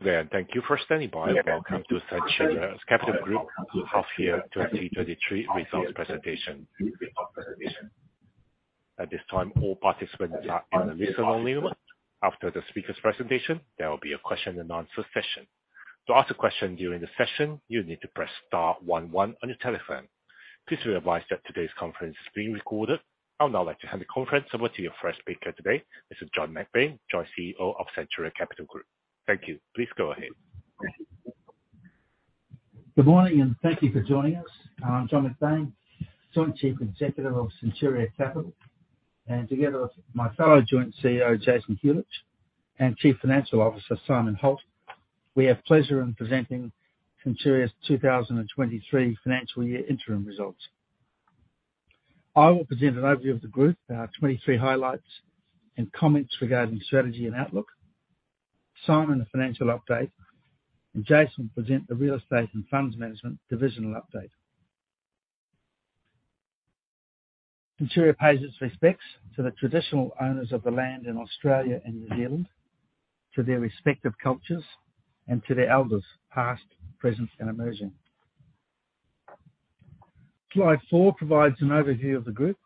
Good day. Thank you for standing by. Welcome to Centuria Capital Group Half Year FY23 Results Presentation. At this time, all participants are in a listen-only mode. After the speaker's presentation, there will be a question and answer session. To ask a question during the session, you need to press star one one on your telephone. Please be advised that today's conference is being recorded. I would now like to hand the conference over to your first speaker today, Mr. John McBain, Joint CEO of Centuria Capital Group. Thank you. Please go ahead. Good morning, and thank you for joining us. I'm John McBain, Joint Chief Executive of Centuria Capital. Together with my fellow Joint CEO, Jason Huljich, and Chief Financial Officer, Simon Holt, we have pleasure in presenting Centuria's 2023 financial year interim results. I will present an overview of the group, our 23 highlights and comments regarding strategy and outlook. Simon, the financial update, and Jason will present the real estate and funds management divisional update. Centuria pays its respects to the traditional owners of the land in Australia and New Zealand, to their respective cultures, and to their elders, past, present and emerging. Slide four provides an overview of the group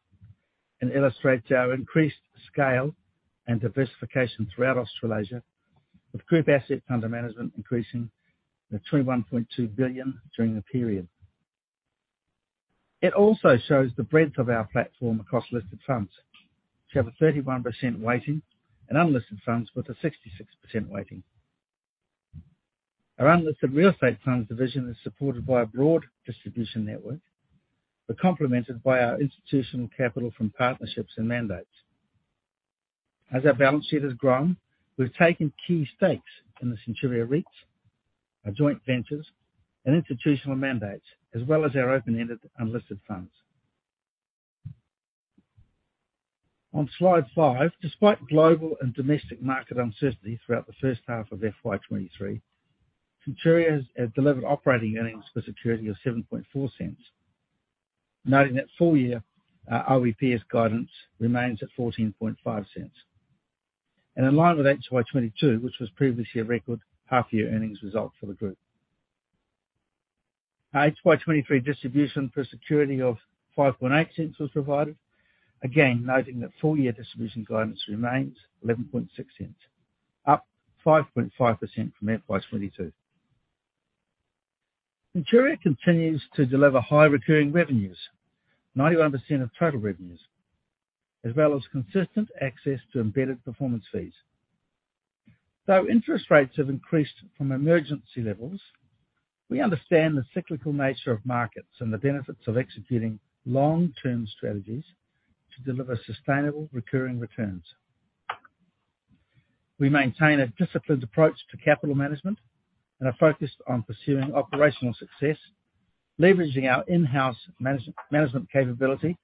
and illustrates our increased scale and diversification throughout Australasia, with group assets under management increasing to 21.2 billion during the period. It also shows the breadth of our platform across listed funds, which have a 31% weighting and unlisted funds with a 66% weighting. Our unlisted real estate funds division is supported by a broad distribution network, but complemented by our institutional capital from partnerships and mandates. As our balance sheet has grown, we've taken key stakes in the Centuria REITs, our joint ventures and institutional mandates, as well as our open-ended unlisted funds. On slide five, despite global and domestic market uncertainty throughout the first half of FY23, Centuria has delivered Operating Earnings Per Security of 0.074. Noting that full year OEPS guidance remains at 0.145. In line with FY22, which was previously a record half year earnings result for the group. Our FY23 distribution per security of 0.058 was provided, again, noting that full year distribution guidance remains 0.116, up 5.5% from FY22. Centuria continues to deliver high recurring revenues, 91% of total revenues, as well as consistent access to embedded performance fees. Though interest rates have increased from emergency levels, we understand the cyclical nature of markets and the benefits of executing long-term strategies to deliver sustainable recurring returns. We maintain a disciplined approach to capital management and are focused on pursuing operational success, leveraging our in-house management capability,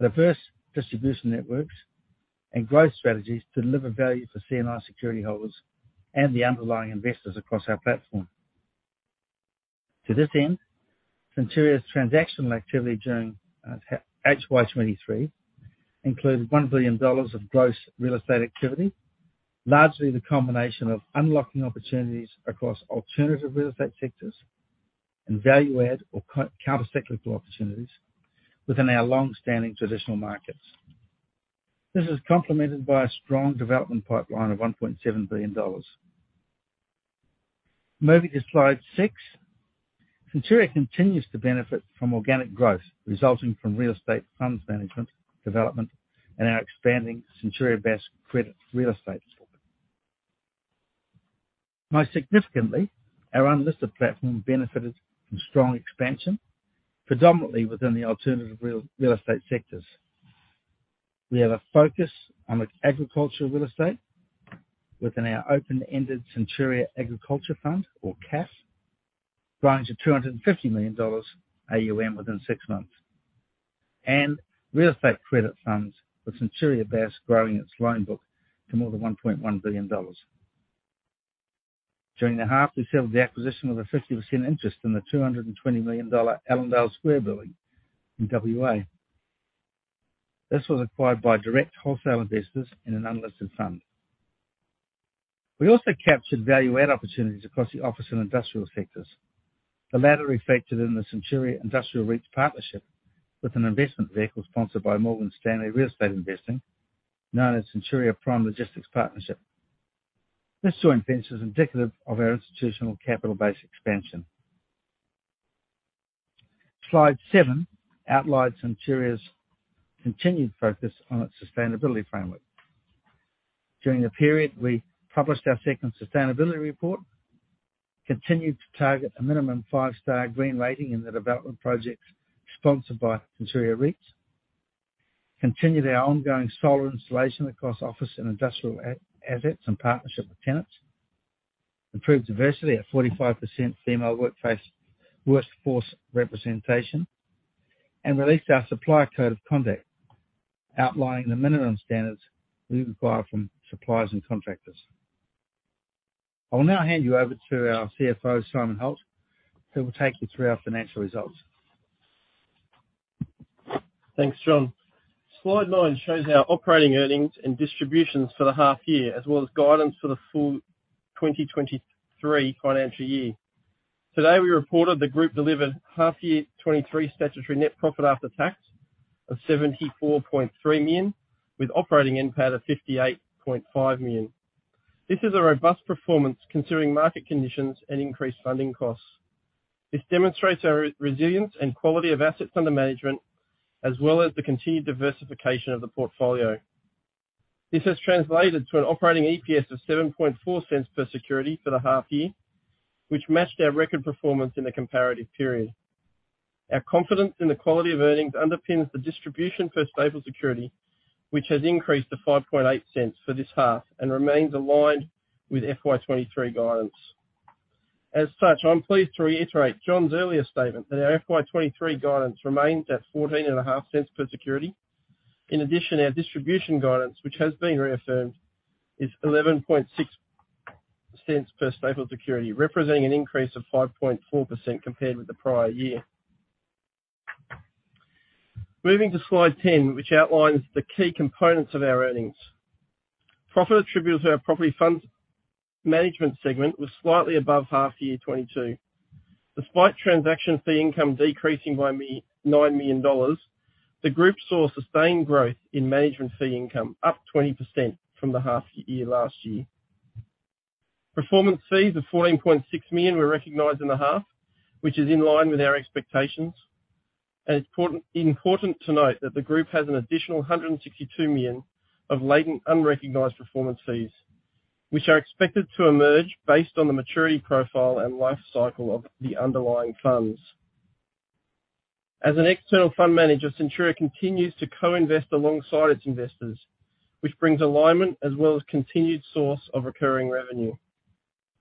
diverse distribution networks, and growth strategies to deliver value for C&I security holders and the underlying investors across our platform. To this end, Centuria's transactional activity during FY23 included 1 billion dollars of gross real estate activity, largely the combination of unlocking opportunities across alternative real estate sectors and value-add or co-countercyclical opportunities within our long-standing traditional markets. This is complemented by a strong development pipeline of 1.7 billion dollars. Moving to slide six. Centuria continues to benefit from organic growth resulting from real estate funds management, development, and our expanding Centuria Bass Credit real estate. Most significantly, our unlisted platform benefited from strong expansion, predominantly within the alternative real estate sectors. We have a focus on the agricultural real estate within our open-ended Centuria Agriculture Fund, or CAF, growing to 250 million dollars AUM within six months. Real estate credit funds, with Centuria Bass Credit growing its loan book to more than 1.1 billion dollars. During the half, we settled the acquisition of a 50% interest in the 220 million dollar Allendale Square building in WA. This was acquired by direct wholesale investors in an unlisted fund. We also captured value add opportunities across the office and industrial sectors. The latter reflected in the Centuria Industrial REIT's partnership with an investment vehicle sponsored by Morgan Stanley Real Estate Investing, known as Centuria Prime Logistics Partnership. This joint venture is indicative of our institutional capital base expansion. Slide seven outlines Centuria's continued focus on its sustainability framework. During the period, we published our second sustainability report, continued to target a minimum five-star green rating in the development projects sponsored by Centuria REITs, continued our ongoing solar installation across office and industrial assets in partnership with tenants, improved diversity at 45% female workforce representation, and released our supplier code of conduct outlining the minimum standards we require from suppliers and contractors. I will now hand you over to our CFO, Simon Holt, who will take you through our financial results. Thanks, John. Slide nine shows our operating earnings and distributions for the half year, as well as guidance for the full FY23 financial year. Today, we reported the group delivered HY23 statutory net profit after tax of 74.3 million, with operating NPAT of 58.5 million. This is a robust performance considering market conditions and increased funding costs. This demonstrates our resilience and quality of assets under management, as well as the continued diversification of the portfolio. This has translated to an operating EPS of 0.074 per security for the half year, which matched our record performance in the comparative period. Our confidence in the quality of earnings underpins the distribution for staple security, which has increased to 0.058 for this half and remains aligned with FY23 guidance. As such, I'm pleased to reiterate John's earlier statement that our FY23 guidance remains at 0.145 per security. Our distribution guidance, which has been reaffirmed, is 0.116 per staple security, representing an increase of 5.4% compared with the prior year. Moving to Slide 10, which outlines the key components of our earnings. Profit attributable to our property funds management segment was slightly above half year 2022. Despite transaction fee income decreasing by 9 million dollars, the group saw sustained growth in management fee income, up 20% from the half year last year. Performance fees of 14.6 million were recognized in the half, which is in line with our expectations. It's important to note that the group has an additional $162 million of latent unrecognized performance fees, which are expected to emerge based on the maturity profile and life cycle of the underlying funds. As an external fund manager, Centuria continues to co-invest alongside its investors, which brings alignment as well as continued source of recurring revenue.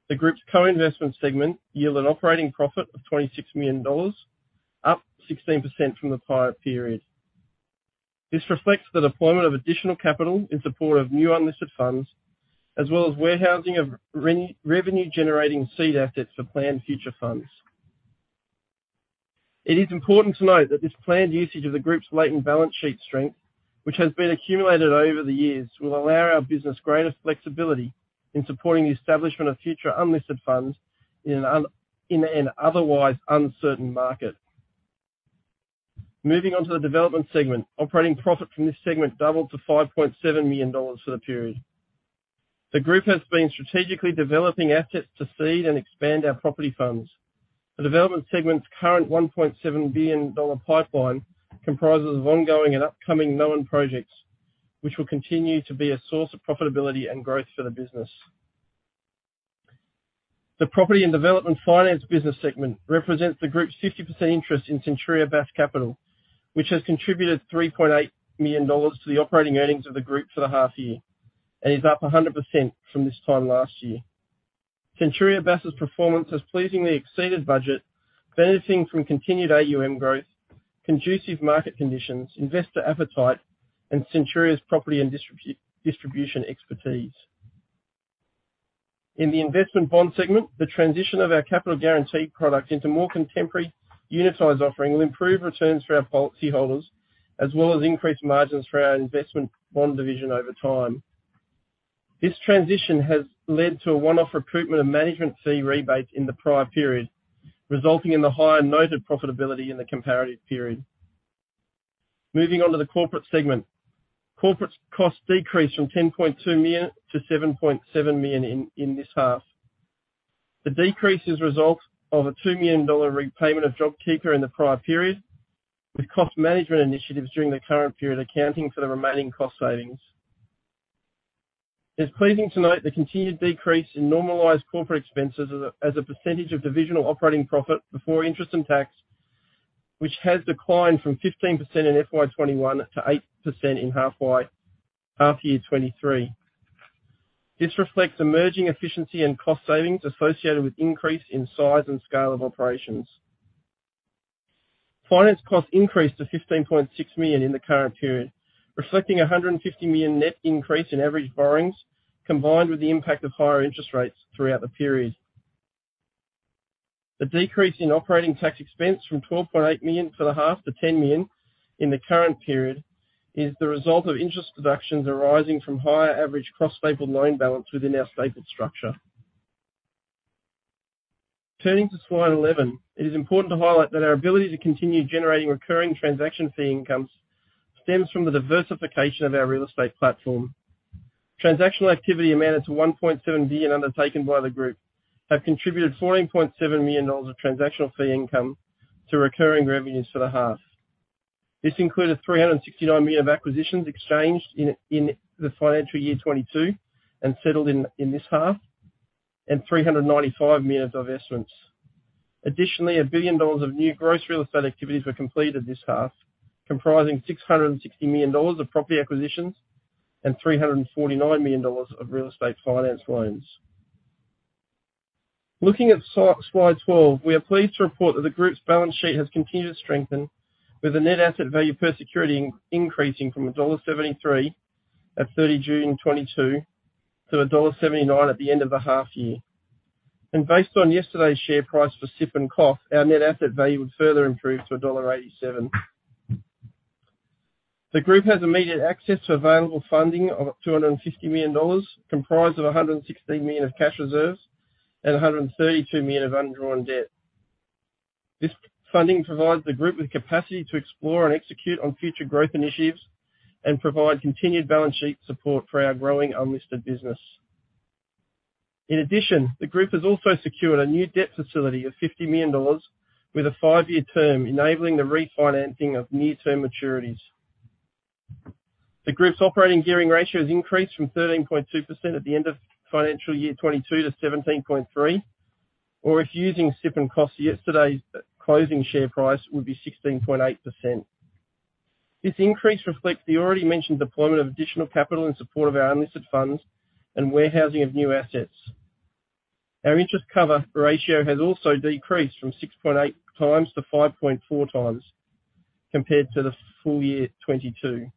The group's co-investment segment yield an operating profit of $26 million, up 16% from the prior period. This reflects the deployment of additional capital in support of new unlisted funds, as well as warehousing of re-revenue-generating seed assets for planned future funds. It is important to note that this planned usage of the group's latent balance sheet strength, which has been accumulated over the years, will allow our business greater flexibility in supporting the establishment of future unlisted funds in an otherwise uncertain market. Moving on to the development segment. Operating profit from this segment doubled to $5.7 million for the period. The group has been strategically developing assets to seed and expand our property funds. The development segment's current $1.7 billion pipeline comprises of ongoing and upcoming known projects, which will continue to be a source of profitability and growth for the business. The property and development finance business segment represents the group's 50% interest in Centuria VAF Capital, which has contributed $3.8 million to the operating earnings of the group for the half year, and is up 100% from this time last year. Centuria VAF's performance has pleasingly exceeded budget, benefiting from continued AUM growth, conducive market conditions, investor appetite, and Centuria's property and distribution expertise. In the investment bond segment, the transition of our capital guaranteed product into more contemporary unitized offering will improve returns for our policy holders, as well as increase margins for our investment bond division over time. This transition has led to a one-off recruitment of management fee rebates in the prior period, resulting in the higher noted profitability in the comparative period. Moving on to the corporate segment. Corporate costs decreased from 10.2 million to 7.7 million in this half. The decrease is result of a 2 million dollar repayment of JobKeeper in the prior period, with cost management initiatives during the current period accounting for the remaining cost savings. It's pleasing to note the continued decrease in normalized corporate expenses as a percentage of divisional operating profit before interest and tax, which has declined from 15% in FY21 to 8% in HY23. This reflects emerging efficiency and cost savings associated with increase in size and scale of operations. Finance costs increased to 15.6 million in the current period, reflecting an 150 million net increase in average borrowings, combined with the impact of higher interest rates throughout the period. The decrease in operating tax expense from 12.8 million for the half to 10 million in the current period is the result of interest deductions arising from higher average cross-stapled loan balance within our stapled structure. Turning to slide 11. It is important to highlight that our ability to continue generating recurring transaction fee incomes stems from the diversification of our real estate platform. Transactional activity amounted to 1.7 billion and undertaken by the group, have contributed 14.7 million dollars of transactional fee income to recurring revenues for the half. This included 369 million of acquisitions exchanged in FY22 and settled in this half, and 395 million of divestments. A billion dollars of new gross real estate activities were completed this half, comprising 660 million dollars of property acquisitions and 349 million dollars of real estate finance loans. Looking at slide 12, we are pleased to report that the group's balance sheet has continued to strengthen, with the net asset value per security increasing from dollar 1.73 at 30 June 2022 to dollar 1.79 at the end of the half year. Based on yesterday's share price for SIF and COF, our net asset value would further improve to dollar 1.87. The group has immediate access to available funding of 250 million dollars, comprised of 116 million of cash reserves and 132 million of undrawn debt. This funding provides the group with capacity to explore and execute on future growth initiatives and provide continued balance sheet support for our growing unlisted business. In addition, the group has also secured a new debt facility of $50 million with a five-year term, enabling the refinancing of near-term maturities. The group's operating gearing ratio has increased from 13.2% at the end of FY22 to 17.3%, or if using SIF and COF to yesterday's closing share price, would be 16.8%. This increase reflects the already mentioned deployment of additional capital in support of our unlisted funds and warehousing of new assets. Our interest cover ratio has also decreased from 6.8x-5.4x compared to the FY22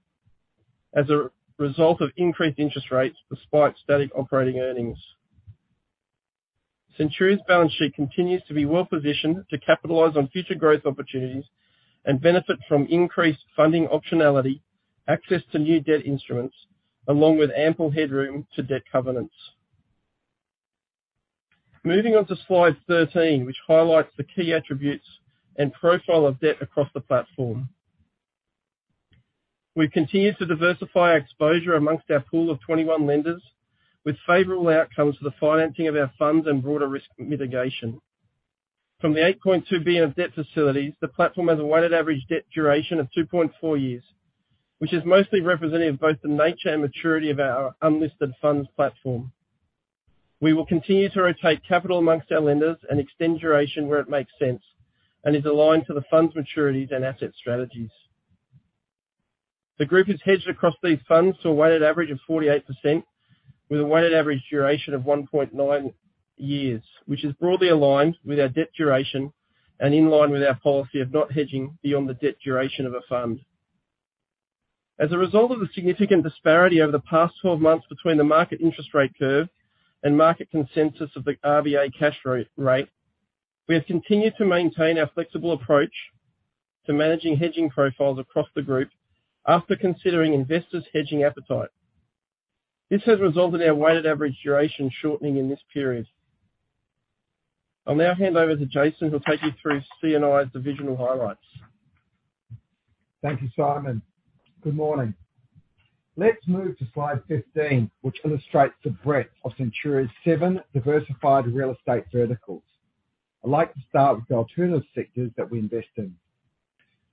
as a result of increased interest rates despite static operating earnings. Centuria's balance sheet continues to be well-positioned to capitalize on future growth opportunities and benefit from increased funding optionality, access to new debt instruments, along with ample headroom to debt covenants. Moving on to slide 13, which highlights the key attributes and profile of debt across the platform. We've continued to diversify our exposure amongst our pool of 21 lenders with favorable outcomes for the financing of our funds and broader risk mitigation. From the 8.2 billion of debt facilities, the platform has a weighted average debt duration of 2.4 years, which is mostly representative of both the nature and maturity of our unlisted funds platform. We will continue to rotate capital amongst our lenders and extend duration where it makes sense and is aligned to the funds' maturities and asset strategies. The group has hedged across these funds to a weighted average of 48% with a weighted average duration of 1.9 years, which is broadly aligned with our debt duration and in line with our policy of not hedging beyond the debt duration of a fund. As a result of the significant disparity over the past 12 months between the market interest rate curve and market consensus of the RBA cash rate, we have continued to maintain our flexible approach to managing hedging profiles across the group after considering investors hedging appetite. This has resulted in our weighted average duration shortening in this period. I'll now hand over to Jason, who'll take you through C&I divisional highlights. Thank you, Simon. Good morning. Let's move to slide 15, which illustrates the breadth of Centuria's seven diversified real estate verticals. I'd like to start with the alternative sectors that we invest in.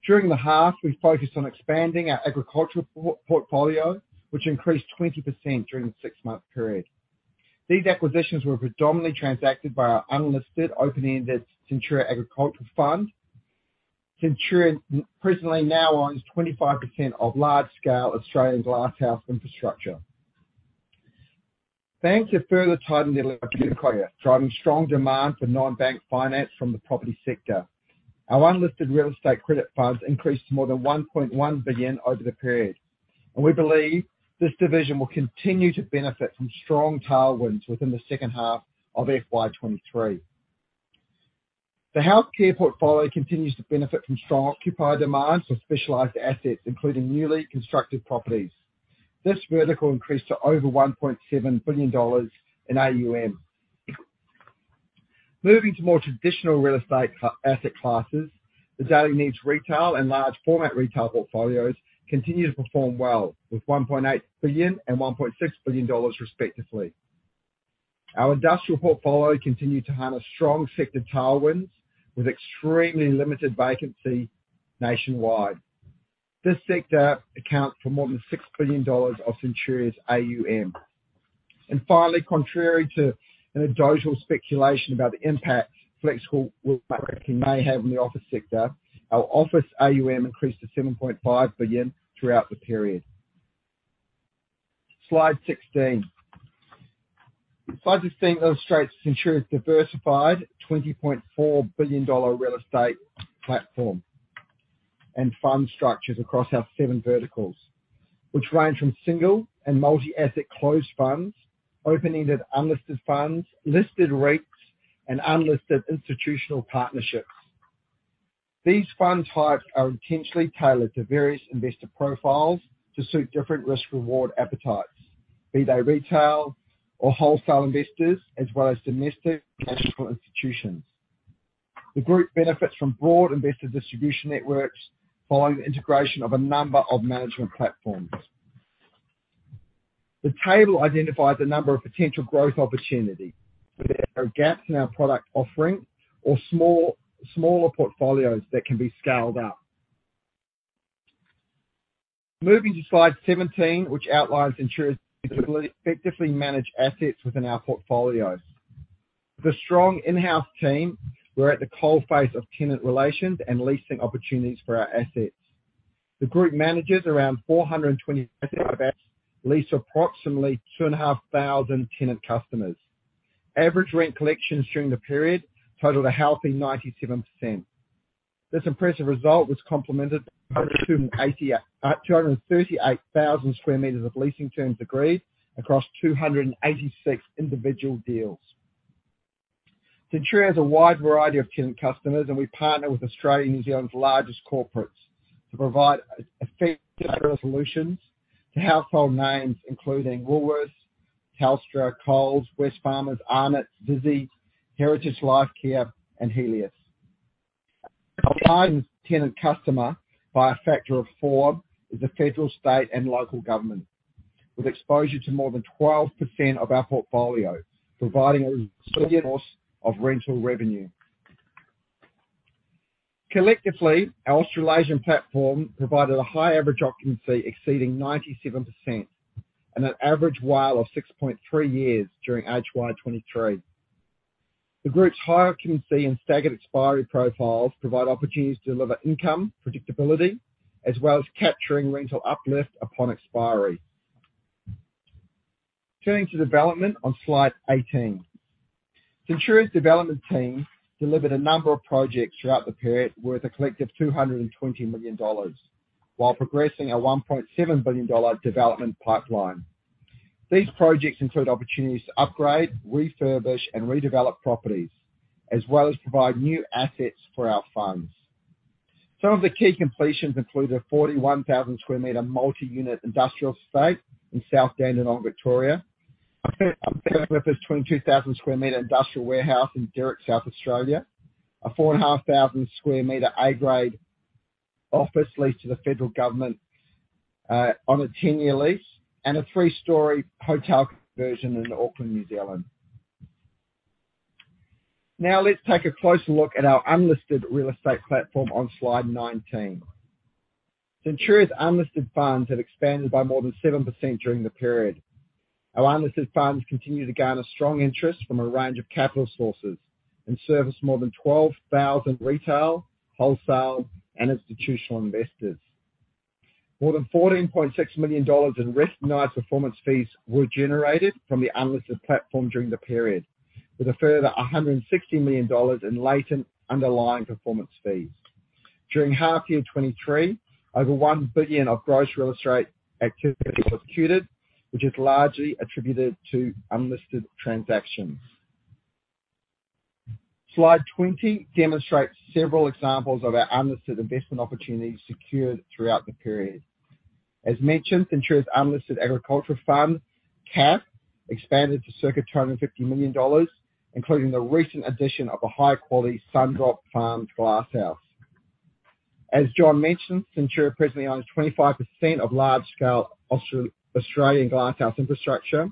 During the half, we focused on expanding our agricultural portfolio, which increased 20% during the six-month period. These acquisitions were predominantly transacted by our unlisted open-ended Centuria Agriculture Fund. Centuria presently now owns 25% of large-scale Australian glasshouse infrastructure. Banks have further tightened their lending criteria, driving strong demand for non-bank finance from the property sector. Our unlisted real estate credit funds increased to more than 1.1 billion over the period, and we believe this division will continue to benefit from strong tailwinds within the second half of FY23. The healthcare portfolio continues to benefit from strong occupied demands for specialized assets, including newly constructed properties. This vertical increased to over 1.7 billion dollars in AUM. Moving to more traditional real estate asset classes, the daily needs retail and large format retail portfolios continue to perform well, with 1.8 billion and 1.6 billion dollars, respectively. Our industrial portfolio continued to harness strong sector tailwinds with extremely limited vacancy nationwide. This sector accounts for more than 6 billion dollars of Centuria's AUM. Finally, contrary to anecdotal speculation about the impact flexible working may have on the office sector, our office AUM increased to 7.5 billion throughout the period. Slide 16. Slide 16 illustrates Centuria's diversified AUD 20.4 billion real estate platform and fund structures across our seven verticals, which range from single and multi-asset closed funds, open-ended unlisted funds, listed REITs, and unlisted institutional partnerships. These fund types are intentionally tailored to various investor profiles to suit different risk-reward appetites, be they retail or wholesale investors, as well as domestic and international institutions. The group benefits from broad investor distribution networks following the integration of a number of management platforms. The table identifies a number of potential growth opportunities, where there are gaps in our product offering or smaller portfolios that can be scaled up. Moving to slide 17, which outlines Centuria's ability to effectively manage assets within our portfolios. With a strong in-house team, we're at the coalface of tenant relations and leasing opportunities for our assets. The group manages around 420 assets, lease approximately 2,500 tenant customers. Average rent collections during the period totaled a healthy 97%. This impressive result was complemented by 238,000 sq m of leasing terms agreed across 286 individual deals. Centuria has a wide variety of tenant customers, we partner with Australia and New Zealand's largest corporates to provide effective solutions to household names including Woolworths, Telstra, Coles, Wesfarmers, Arnott's, Visy, Heritage Lifecare, and Healius. Our largest tenant customer by a factor of four is the federal, state, and local government, with exposure to more than 12% of our portfolio, providing a steady source of rental revenue. Collectively, our Australasian platform provided a high average occupancy exceeding 97% and an average WALE of 6.3 years during HY23. The group's high occupancy and staggered expiry profiles provide opportunities to deliver income predictability as well as capturing rental uplift upon expiry. Turning to development on Slide 18. Centuria's development team delivered a number of projects throughout the period worth a collective 220 million dollars while progressing our 1.7 billion dollar development pipeline. These projects include opportunities to upgrade, refurbish, and redevelop properties, as well as provide new assets for our funds. Some of the key completions include a 41,000 sq m multi-unit industrial estate in South Dandenong, Victoria. 22,000 sq m industrial warehouse in Direk, South Australia. A 4,500 square meter A grade office lease to the federal government on a 10-year lease and a three-story hotel conversion in Auckland, New Zealand. Let's take a closer look at our unlisted real estate platform on Slide 19. Centuria's unlisted funds have expanded by more than 7% during the period. Our unlisted funds continue to garner strong interest from a range of capital sources and service more than 12,000 retail, wholesale, and institutional investors. More than 14.6 million dollars in recognized performance fees were generated from the unlisted platform during the period, with a further 160 million dollars in latent underlying performance fees. During HY23, over 1 billion of gross real estate activity was executed, which is largely attributed to unlisted transactions. Slide 20 demonstrates several examples of our unlisted investment opportunities secured throughout the period. As mentioned, Centuria's unlisted agricultural fund, CAF, expanded to circa 250 million dollars, including the recent addition of a high-quality Sundrop Farm glasshouse. As John mentioned, Centuria presently owns 25% of large-scale Australian glasshouse infrastructure.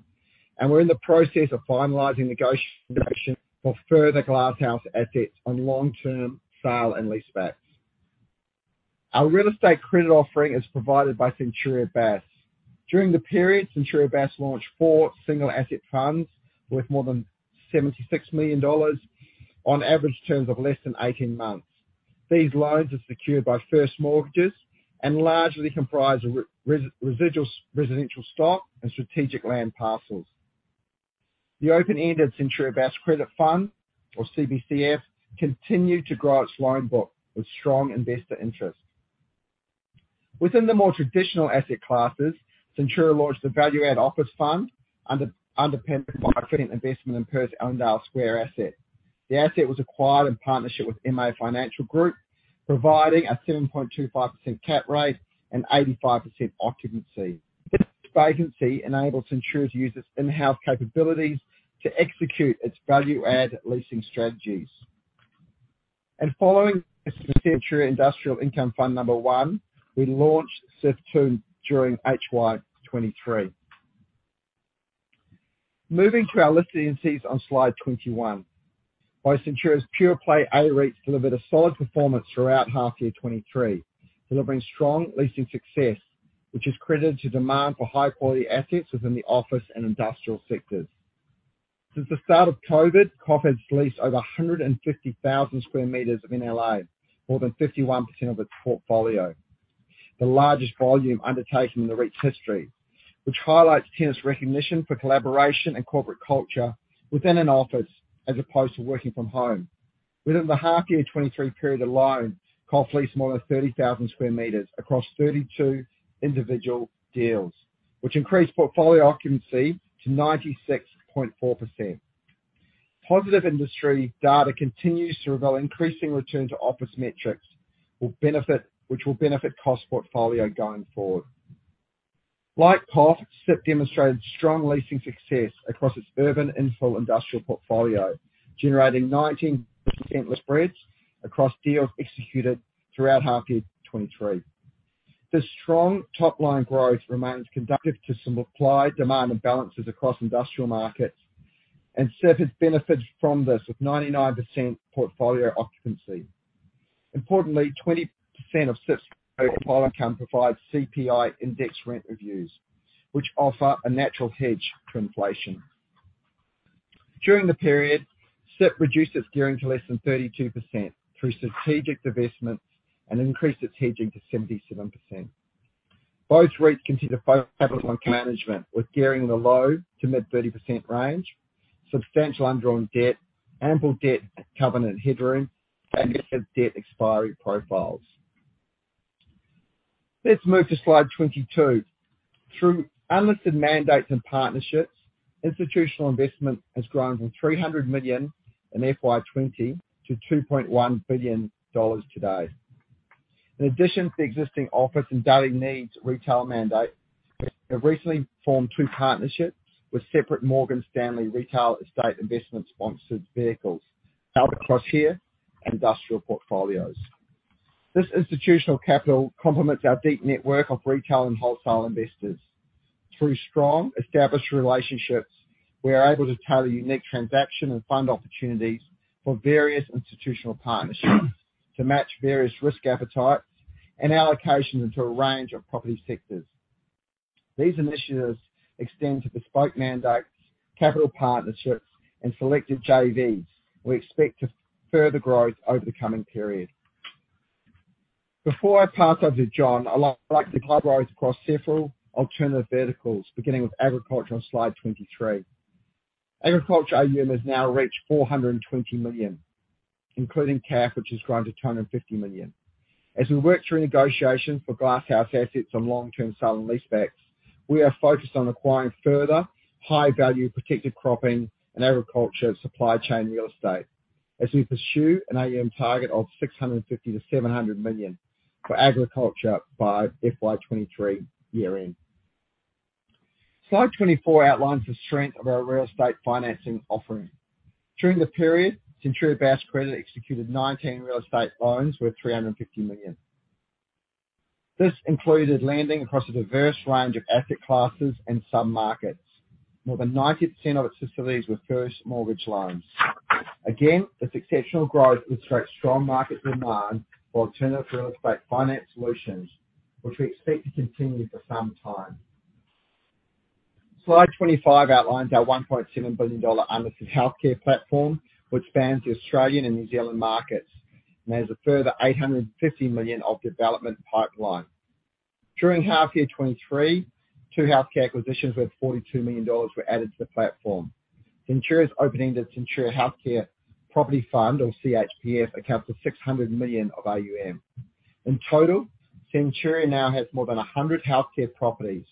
We're in the process of finalizing negotiations for further glasshouse assets on long-term sale and leasebacks. Our real estate credit offering is provided by Centuria Bass. During the period, Centuria Bass launched four single asset funds worth more than 76 million dollars on average terms of less than 18 months. These loans are secured by first mortgages and largely comprise residual residential stock and strategic land parcels. The open-ended Centuria Bass Credit Fund, or CBCF, continued to grow its loan book with strong investor interest. Within the more traditional asset classes, Centuria launched the Value Add Office Fund underpinned by a fit-in investment in Perth's Allendale Square asset. The asset was acquired in partnership with MA Financial Group, providing a 7.25% cap rate and 85% occupancy. vacancy enabled Centuria to use its in-house capabilities to execute its value add leasing strategies. Following Centuria Industrial Income Fund No. 1, we launched SIF two during HY23. Moving to our listed entities on slide 21. Centuria's pure-play AREIT delivered a solid performance throughout HY23, delivering strong leasing success, which is credited to demand for high-quality assets within the office and industrial sectors. Since the start of COVID, COF has leased over 150,000 square meters of NLA, more than 51% of its portfolio, the largest volume undertaken in the REIT's history, which highlights tenants recognition for collaboration and corporate culture within an office as opposed to working from home. Within the HY23 period alone, COF leased more than 30,000 square meters across 32 individual deals, which increased portfolio occupancy to 96.4%. Positive industry data continues to reveal increasing return to office metrics will benefit, which will benefit COF's portfolio going forward. Like COF, CIP demonstrated strong leasing success across its urban infill industrial portfolio, generating 19% lease rents across deals executed throughout HY23. This strong top-line growth remains conducive to supply, demand, and balances across industrial markets, and CIP has benefited from this with 99% portfolio occupancy. Importantly, 20% of CIP's portfolio income provides CPI index rent reviews, which offer a natural hedge to inflation. During the period, CIP reduced its gearing to less than 32% through strategic divestments and increased its hedging to 77%. Both REITs continue to focus capital on management with gearing in the low to mid 30% range, substantial undrawn debt, ample debt covenant headroom, and aggressive debt expiry profiles. Let's move to slide 22. Through unlisted mandates and partnerships, institutional investment has grown from 300 million in FY20 to 2.1 billion dollars today. In addition to the existing office and daily needs retail mandate, we have recently formed two partnerships with separate Morgan Stanley Real Estate Investing-sponsored vehicles across here industrial portfolios. This institutional capital complements our deep network of retail and wholesale investors. Through strong established relationships, we are able to tailor unique transaction and fund opportunities for various institutional partnerships to match various risk appetites and allocations into a range of property sectors. These initiatives extend to bespoke mandates, capital partnerships, and selected JVs. We expect to further growth over the coming period. Before I pass over to John, I'd like to highlight across several alternative verticals, beginning with agriculture on slide 23. Agriculture AUM has now reached 420 million, including CAF, which has grown to 250 million. As we work through negotiations for glasshouse assets on long-term sale and leasebacks, we are focused on acquiring further high-value protected cropping and agriculture supply chain real estate as we pursue an AUM target of 650 million-700 million for agriculture by FY23 year-end. Slide 24 outlines the strength of our real estate financing offering. During the period, Centuria Bass Credit executed 19 real estate loans worth 350 million. This included lending across a diverse range of asset classes and sub-markets. More than 90% of its facilities were first mortgage loans. Again, the exceptional growth illustrates strong market demand for alternative real estate finance solutions, which we expect to continue for some time. Slide 25 outlines our 1.7 billion dollar unlisted healthcare platform, which spans the Australian and New Zealand markets and has a further 850 million of development pipeline. During HY23, two healthcare acquisitions worth 42 million dollars were added to the platform. Centuria's opening the Centuria Healthcare Property Fund, or CHPF, accounts for 600 million of AUM. In total, Centuria now has more than 100 healthcare properties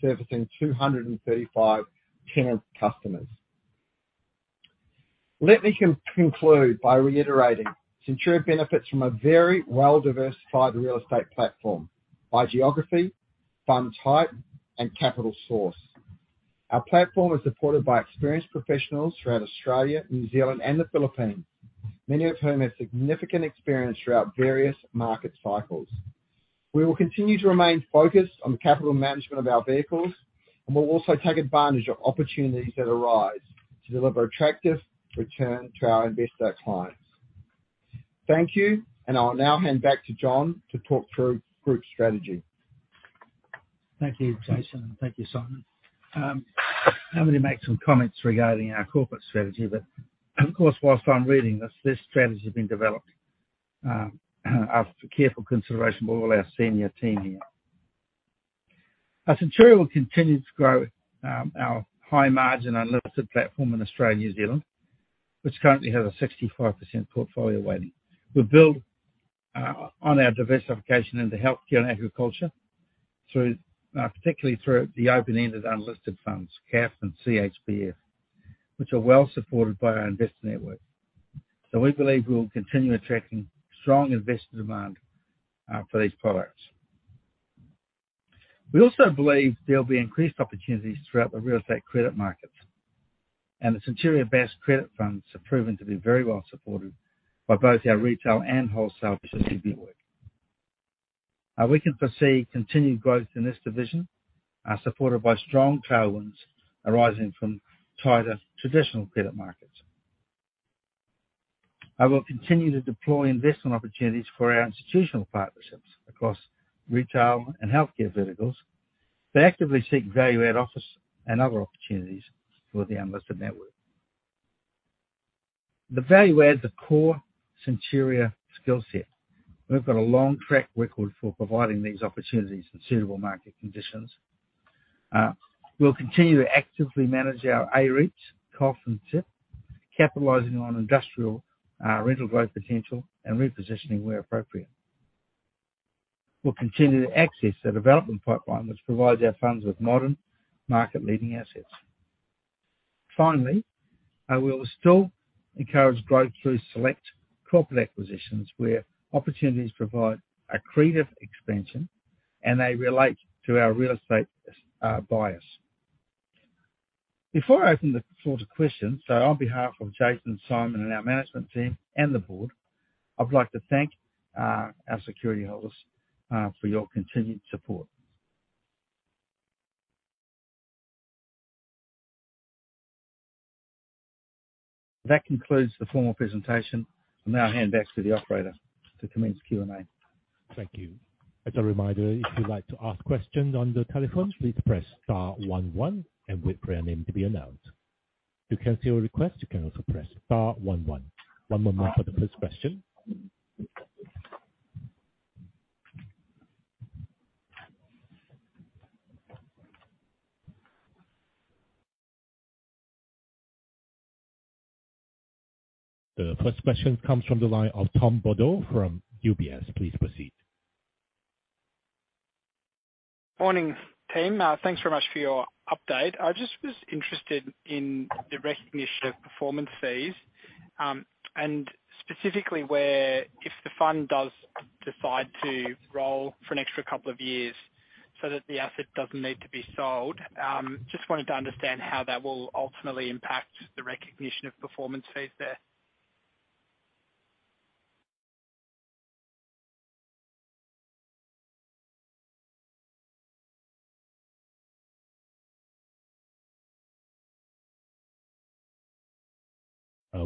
servicing 235 tenant customers. Let me conclude by reiterating Centuria benefits from a very well-diversified real estate platform by geography, fund type, and capital source. Our platform is supported by experienced professionals throughout Australia, New Zealand, and the Philippines, many of whom have significant experience throughout various market cycles. We will continue to remain focused on the capital management of our vehicles, and we'll also take advantage of opportunities that arise to deliver attractive return to our investor clients. Thank you. I'll now hand back to John to talk through group strategy. Thank you, Jason. Thank you, Simon. Of course, whilst I'm reading this strategy has been developed after careful consideration by all our senior team here. As Centuria will continue to grow, our high margin unlisted platform in Australia and New Zealand, which currently has a 65% portfolio weighting, we build on our diversification into healthcare and agriculture particularly through the open-ended unlisted funds, CAF and CHPF, which are well supported by our investor network. We believe we'll continue attracting strong investor demand for these products. We also believe there'll be increased opportunities throughout the real estate credit markets, the Centuria Bass Credit Funds are proving to be very well supported by both our retail and wholesale distribution network. We can foresee continued growth in this division, supported by strong tailwinds arising from tighter traditional credit markets. I will continue to deploy investment opportunities for our institutional partnerships across retail and healthcare verticals. We actively seek value add office and other opportunities for the unlisted network. The value add is a core Centuria skill set. We've got a long track record for providing these opportunities in suitable market conditions. We'll continue to actively manage our AREITs, COF and TIP, capitalizing on industrial rental growth potential and repositioning where appropriate. We'll continue to access the development pipeline, which provides our funds with modern market-leading assets. I will still encourage growth through select corporate acquisitions where opportunities provide accretive expansion and they relate to our real estate bias. Before I open the floor to questions, on behalf of Jason, Simon, and our management team and the board, I'd like to thank our security holders for your continued support. That concludes the formal presentation. I'll now hand back to the operator to commence Q&A. Thank you. As a reminder, if you'd like to ask questions on the telephone, please press star one one and wait for your name to be announced. You can see your request. You can also press star one one. One moment for the first question. The first question comes from the line of Tom Bodor from UBS. Please proceed. Morning, team. Thanks very much for your update. I just was interested in the recognition of performance fees, and specifically where if the fund does decide to roll for an extra couple of years so that the asset doesn't need to be sold. Just wanted to understand how that will ultimately impact the recognition of performance fees there.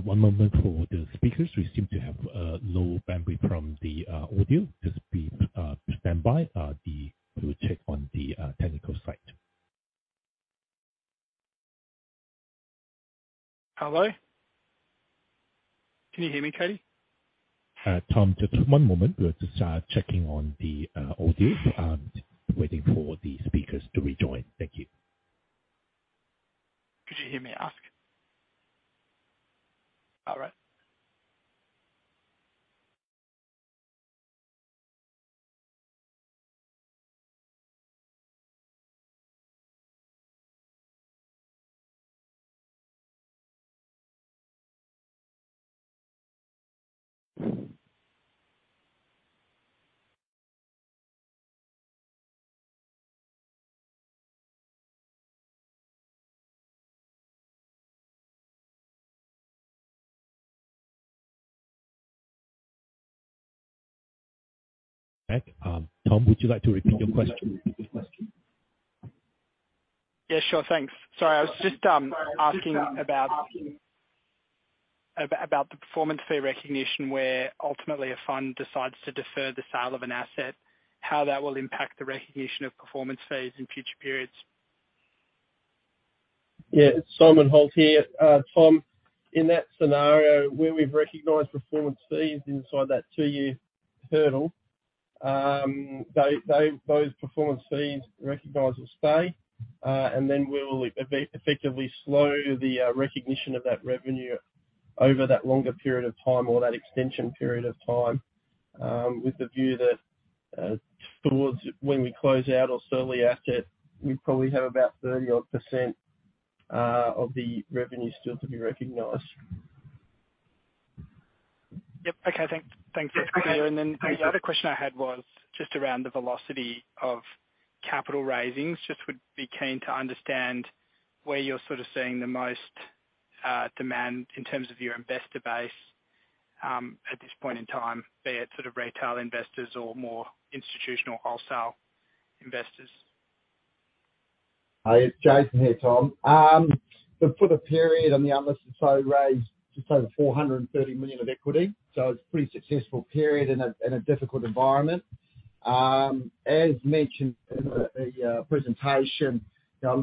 One moment for the speakers. We seem to have low bandwidth from the audio. Stand by, we'll check on the technical side. Hello? Can you hear me, Katie? Tom, just one moment. We're just checking on the audio and waiting for the speakers to rejoin. Thank you. Could you hear me ask? All right. Back. Tom, would you like to repeat your question? Sure. Thanks. Sorry, I was just asking about the performance fee recognition where ultimately a fund decides to defer the sale of an asset, how that will impact the recognition of performance fees in future periods. It's Simon Holt here. Tom, in that scenario where we've recognized performance fees inside that two-year hurdle, those performance fees recognized will stay, and then we'll effectively slow the recognition of that revenue over that longer period of time or that extension period of time, with the view that towards when we close out or sell the asset, we probably have about 30 odd % of the revenue still to be recognized. Yep. Okay, thanks. Yeah. The other question I had was just around the velocity of capital raising. Just would be keen to understand where you're sort of seeing the most demand in terms of your investor base at this point in time, be it sort of retail investors or more institutional wholesale investors. Hi, it's Jason here, Tom. For the period on the unlisted, so raised just over 430 million of equity, so it's pretty successful period in a difficult environment. As mentioned in the presentation,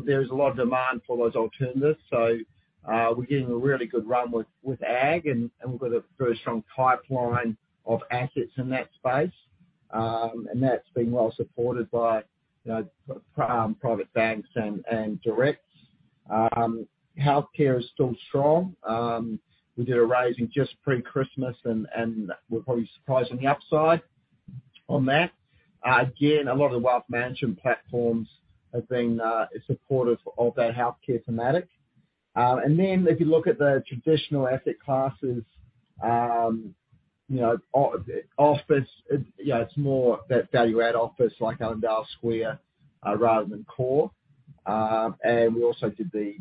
there is a lot of demand for those alternatives. We're getting a really good run with ag, and we've got a very strong pipeline of assets in that space. And that's been well supported by private banks and directs. Healthcare is still strong. We did a raising just pre-Christmas and we're probably surprising the upside on that. Again, a lot of the wealth management platforms have been supportive of that healthcare thematic. If you look at the traditional asset classes, you know, office, you know, it's more that value add office like Allendale Square, rather than Core. We also did the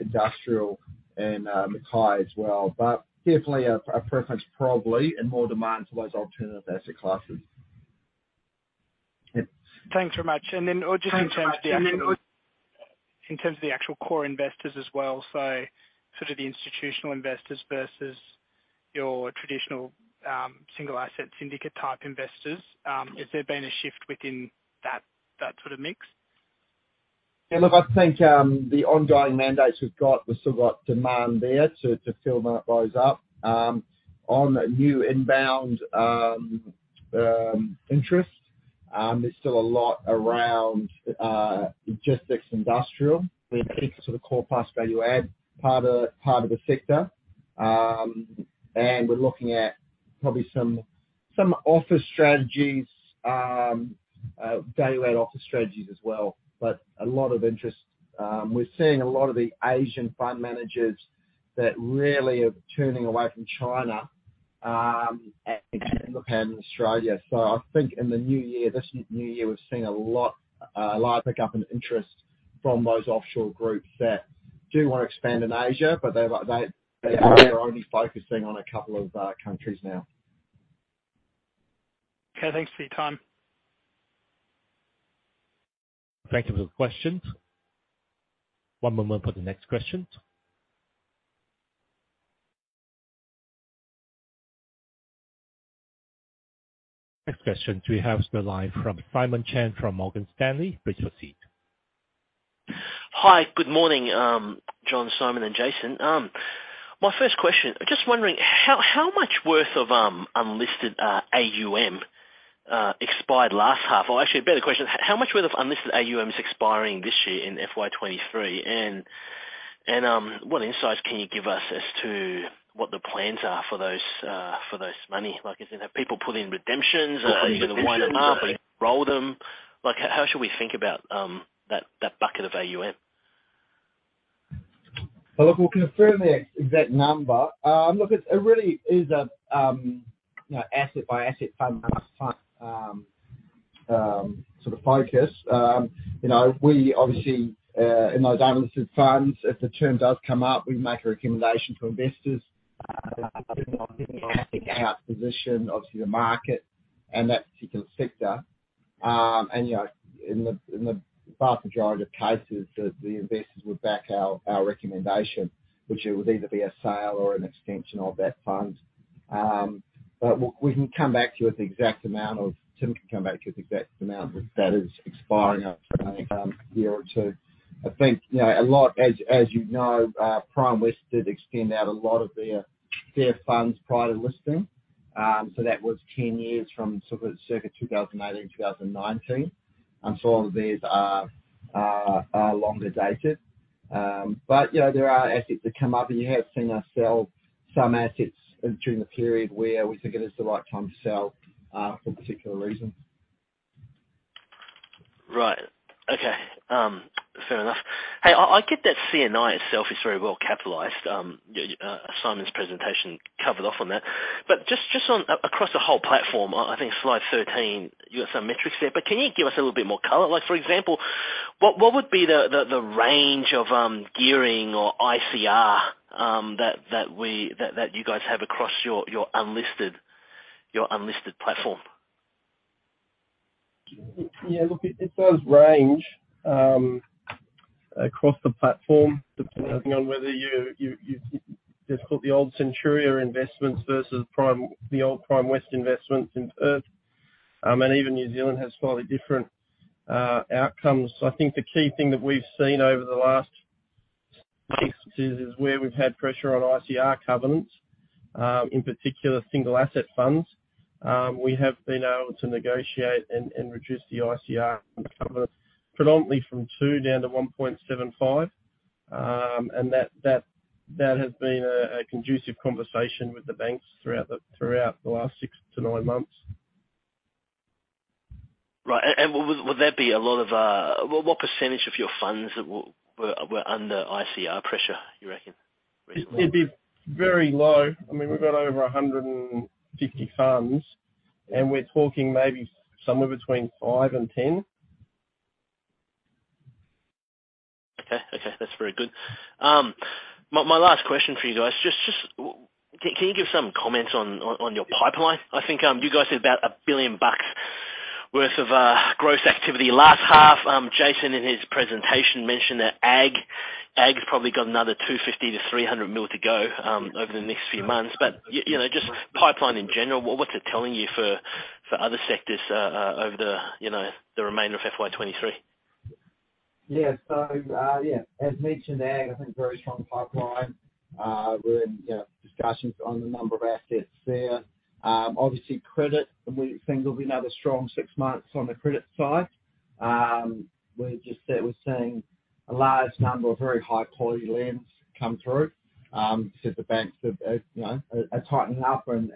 industrial in Mackay as well, but definitely a preference probably and more demand to those alternative asset classes. Thanks very much. Just in terms of the actual core investors as well, so sort of the institutional investors versus your traditional, single asset syndicate type investors, has there been a shift within that sort of mix? Yeah, look, I think, the ongoing mandates we've got, we've still got demand there to fill those up, on new inbound interest. There's still a lot around logistics, industrial. We think sort of core plus value add part of the sector. And we're looking at probably some office strategies, value add office strategies as well. A lot of interest. We're seeing a lot of the Asian fund managers that really are turning away from China and looking at Australia. I think in the new year, this new year, we've seen a lot of pickup interest from those offshore groups that do wanna expand in Asia, but they are only focusing on a couple of countries now. Okay, thanks for your time. Thank you for the questions. One moment for the next question. Next question we have on the line from Simon Chan from Morgan Stanley. Please proceed. Hi. Good morning, John, Simon, and Jason. My first question, just wondering how much worth of unlisted AUM expired last half? Or actually a better question, how much worth of unlisted AUM is expiring this year in FY23? What insights can you give us as to what the plans are for those money? Like, is it have people put in redemptions- Put in redemptions. Are you gonna wind them up or roll them? Like, how should we think about that bucket of AUM? Well, look, we'll confirm the exact number. look, it really is a, you know, asset by asset, fund by fund, sort of focus. You know, we obviously, in those unlisted funds, if the term does come up, we make a recommendation to investors, position, obviously the market and that particular sector. You know, in the, in the vast majority of cases, the investors would back our recommendation, which it would either be a sale or an extension of that fund. We can come back to you with the exact amount of. Tim can come back to you with the exact amount that is expiring year or two. I think, you know, a lot, as you know, Primewest did extend out a lot of their funds prior to listing. That was 10 years from sort of circa 2018, 2019. Some of these are longer dated. You know, there are assets that come up, and you have seen us sell some assets during the period where we think it is the right time to sell for particular reasons. Right. Okay. Fair enough. Hey, I get that C&I itself is very well capitalized. Simon's presentation covered off on that. Just across the whole platform, I think slide 13, you got some metrics there, but can you give us a little bit more color? Like, for example, what would be the range of gearing or ICR that you guys have across your unlisted platform? Look, it does range across the platform, depending on whether you've just got the old Centuria investments versus Primewest, the old Primewest investments in Earth, and even New Zealand has slightly different outcomes. I think the key thing that we've seen over the last six is where we've had pressure on ICR covenants, in particular single asset funds. We have been able to negotiate and reduce the ICR covenants predominantly from 2% down to 1.75%. That has been a conducive conversation with the banks throughout the last six-nine months. Right. Would that be a lot of? What percentage of your funds were under ICR pressure, you reckon? It'd be very low. I mean, we've got over 150% funds, and we're talking maybe somewhere between 5% and 10%. Okay, that's very good. My last question for you guys, just Can you give some comments on your pipeline? I think you guys did about 1 billion bucks worth of gross activity last half. Jason in his presentation mentioned that ag's probably got another 250 million-300 million to go over the next few months. you know, just pipeline in general, what's it telling you for other sectors over the, you know, the remainder of FY23? Yeah. As mentioned, Ag, I think very strong pipeline. We're in, you know, discussions on a number of assets there. Obviously credit, we think there will be another strong 6 months on the credit side. We're just, yeah, we're seeing a large number of very high quality lends come through since the banks have, you know, are tightening up and,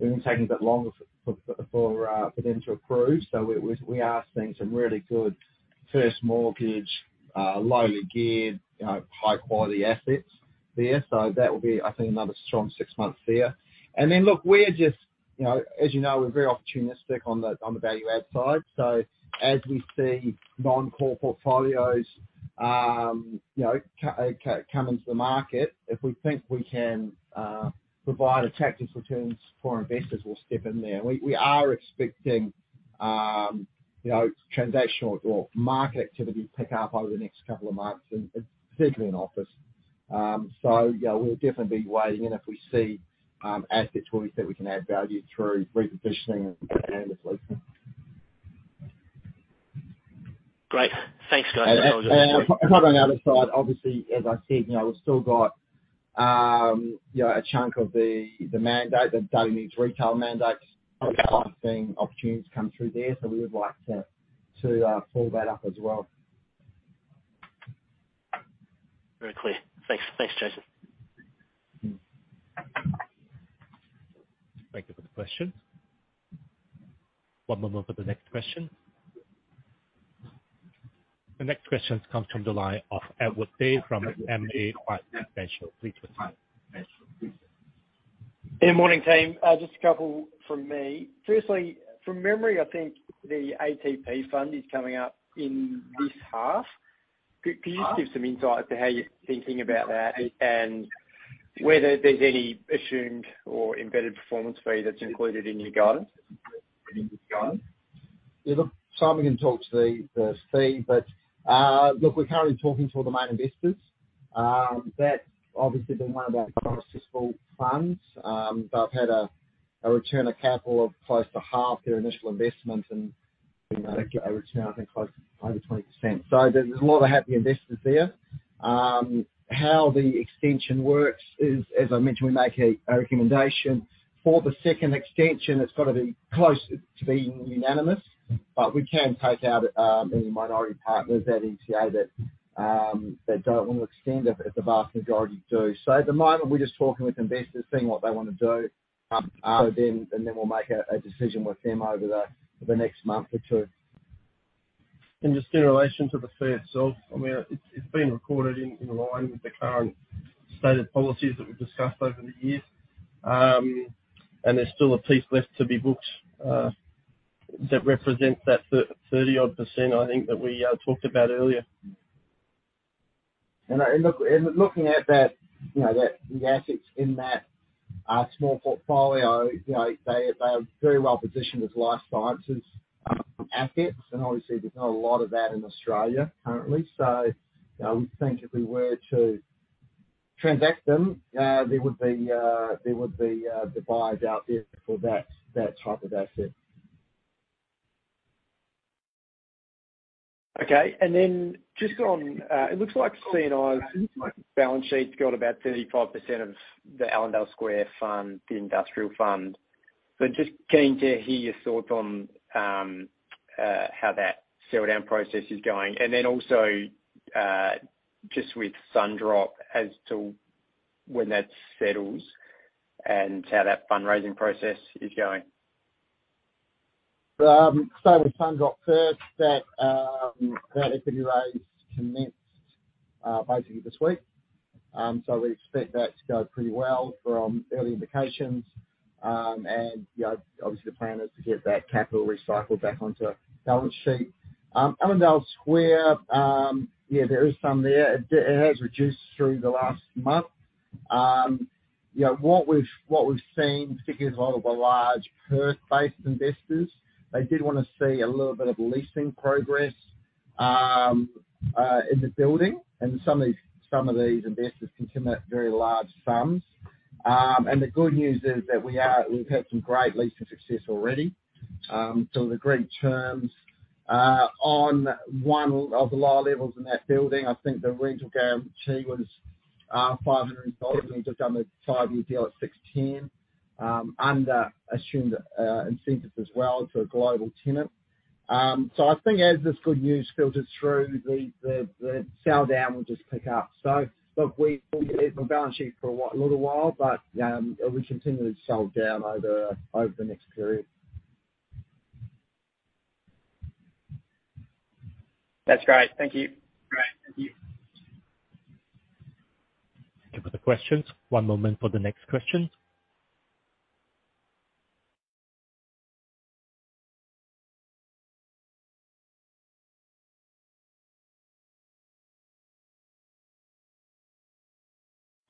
even taking a bit longer for them to approve. We are seeing some really good first mortgage, lowly geared, you know, high quality assets there. That will be, I think, another strong 6 months there. Look, we're just, you know, as you know, we're very opportunistic on the value add side. As we see non-core portfolios, you know, come into the market, if we think we can provide attractive returns for investors, we'll step in there. We are expecting, you know, transactional or market activity to pick up over the next couple of months and particularly in office. You know, we'll definitely be weighing in if we see asset tools that we can add value through repositioning and the leasing. Great. Thanks, guys. That was all. On the other side, obviously, as I said, you know, we've still got, you know, a chunk of the mandate, the daily needs retail mandate. Okay. Obviously seeing opportunities come through there, so we would like to pull that up as well. Very clear. Thanks. Thanks, Jason. Thank you for the question. One moment for the next question. The next question comes from the line of Edward Day from MA Financial Group. Please proceed. Good morning, team. Just a couple from me. Firstly, from memory, I think the ATP fund is coming up in this half. Can you just give some insight into how you're thinking about that and whether there's any assumed or embedded performance fee that's included in your guidance? Look, Simon can talk to the fee, we're currently talking to all the main investors. That's obviously been one of our most successful funds. They've had a return of capital of close to half their initial investment and, you know, a return, I think, close to over 20%. There's a lot of happy investors there. How the extension works is, as I mentioned, we make a recommendation. For the second extension, it's gotta be close to being unanimous, but we can take out any minority partners at ECA that don't want to extend if the vast majority do. At the moment, we're just talking with investors, seeing what they wanna do. We'll make a decision with them over the next month or two. Just in relation to the fee itself, I mean, it's been recorded in line with the current stated policies that we've discussed over the years. There's still a piece left to be booked that represents that 30%-odd, I think, that we talked about earlier. Looking at that, you know, the assets in that small portfolio, you know, they are very well-positioned as life sciences assets, and obviously there's not a lot of that in Australia currently. You know, we think if we were to transact them, there would be the buyers out there for that type of asset. Okay. Just on, it looks like C&I's balance sheet's got about 35% of the Allendale Square Fund, the industrial fund. Just keen to hear your thoughts on how that sell down process is going. Also, just with Sundrop as to when that settles and how that fundraising process is going. Starting with Sundrop first, that equity raise commenced basically this week. We expect that to go pretty well from early indications. You know, obviously the plan is to get that capital recycled back onto the balance sheet. Allendale Square, yeah, there is some there. It has reduced through the last month. You know, what we've, what we've seen, particularly with a lot of the large Perth-based investors, they did wanna see a little bit of leasing progress in the building. Some of these investors can commit very large sums. The good news is that we've had some great leasing success already, so we've agreed terms. On one of the lower levels in that building, I think the rental guarantee was 500 dollars, and we've just done a five-year deal at 610 under assumed incentives as well for a global tenant. I think as this good news filters through the sell down will just pick up. Look, we will leave a balance sheet for a little while, but we'll continually sell down over the next period. That's great. Thank you. Great. Thank you. Thank you for the questions. One moment for the next question.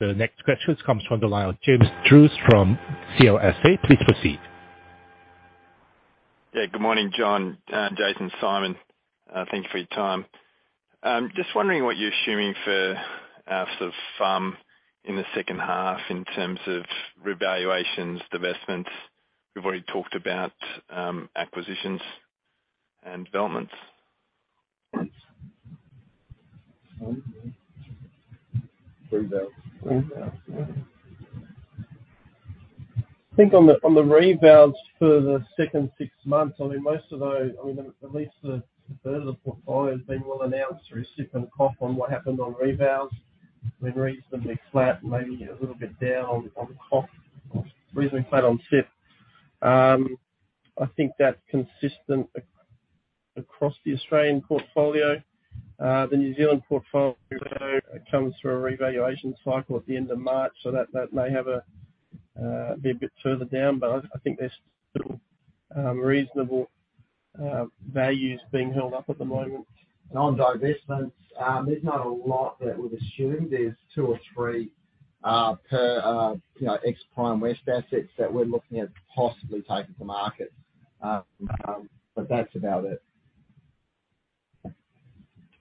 The next question comes from the line of James Druce from CLSA. Please proceed. Good morning, John, Jason, Simon. Thank you for your time. Just wondering what you're assuming for, sort of, in the second half in terms of revaluations, divestments? We've already talked about acquisitions and developments. Revals. Revals, yeah. I think on the, on the revals for the second six months, I mean, most of those. I mean, at least a third of the portfolio has been well announced through SIF and COF on what happened on revals. I mean, reasonably flat, maybe a little bit down on COF. Reasonably flat on SIF. I think that's consistent across the Australian portfolio. The New Zealand portfolio comes through a revaluation cycle at the end of March, so that may have a, be a bit further down, but I think there's still reasonable values being held up at the moment. On divestments, there's not a lot that we've assumed. There's two or three, per, you know, ex Primewest assets that we're looking at possibly taking to market. That's about it.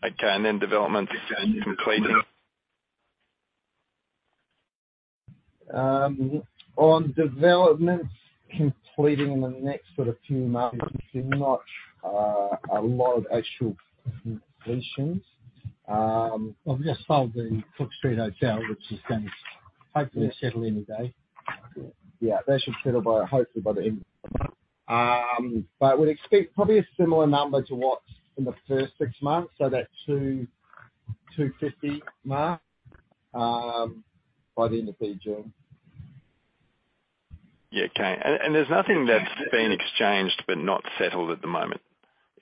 Okay. Development exchange completing. On developments completing in the next sort of few months, there's not a lot of actual completions. We've just sold the 51 Cook Street, which is gonna hopefully settle any day. That should settle by, hopefully by the end of the month. We'd expect probably a similar number to what's in the first six months, so that 250 mark by the end of June. Yeah. Okay. There's nothing that's been exchanged but not settled at the moment,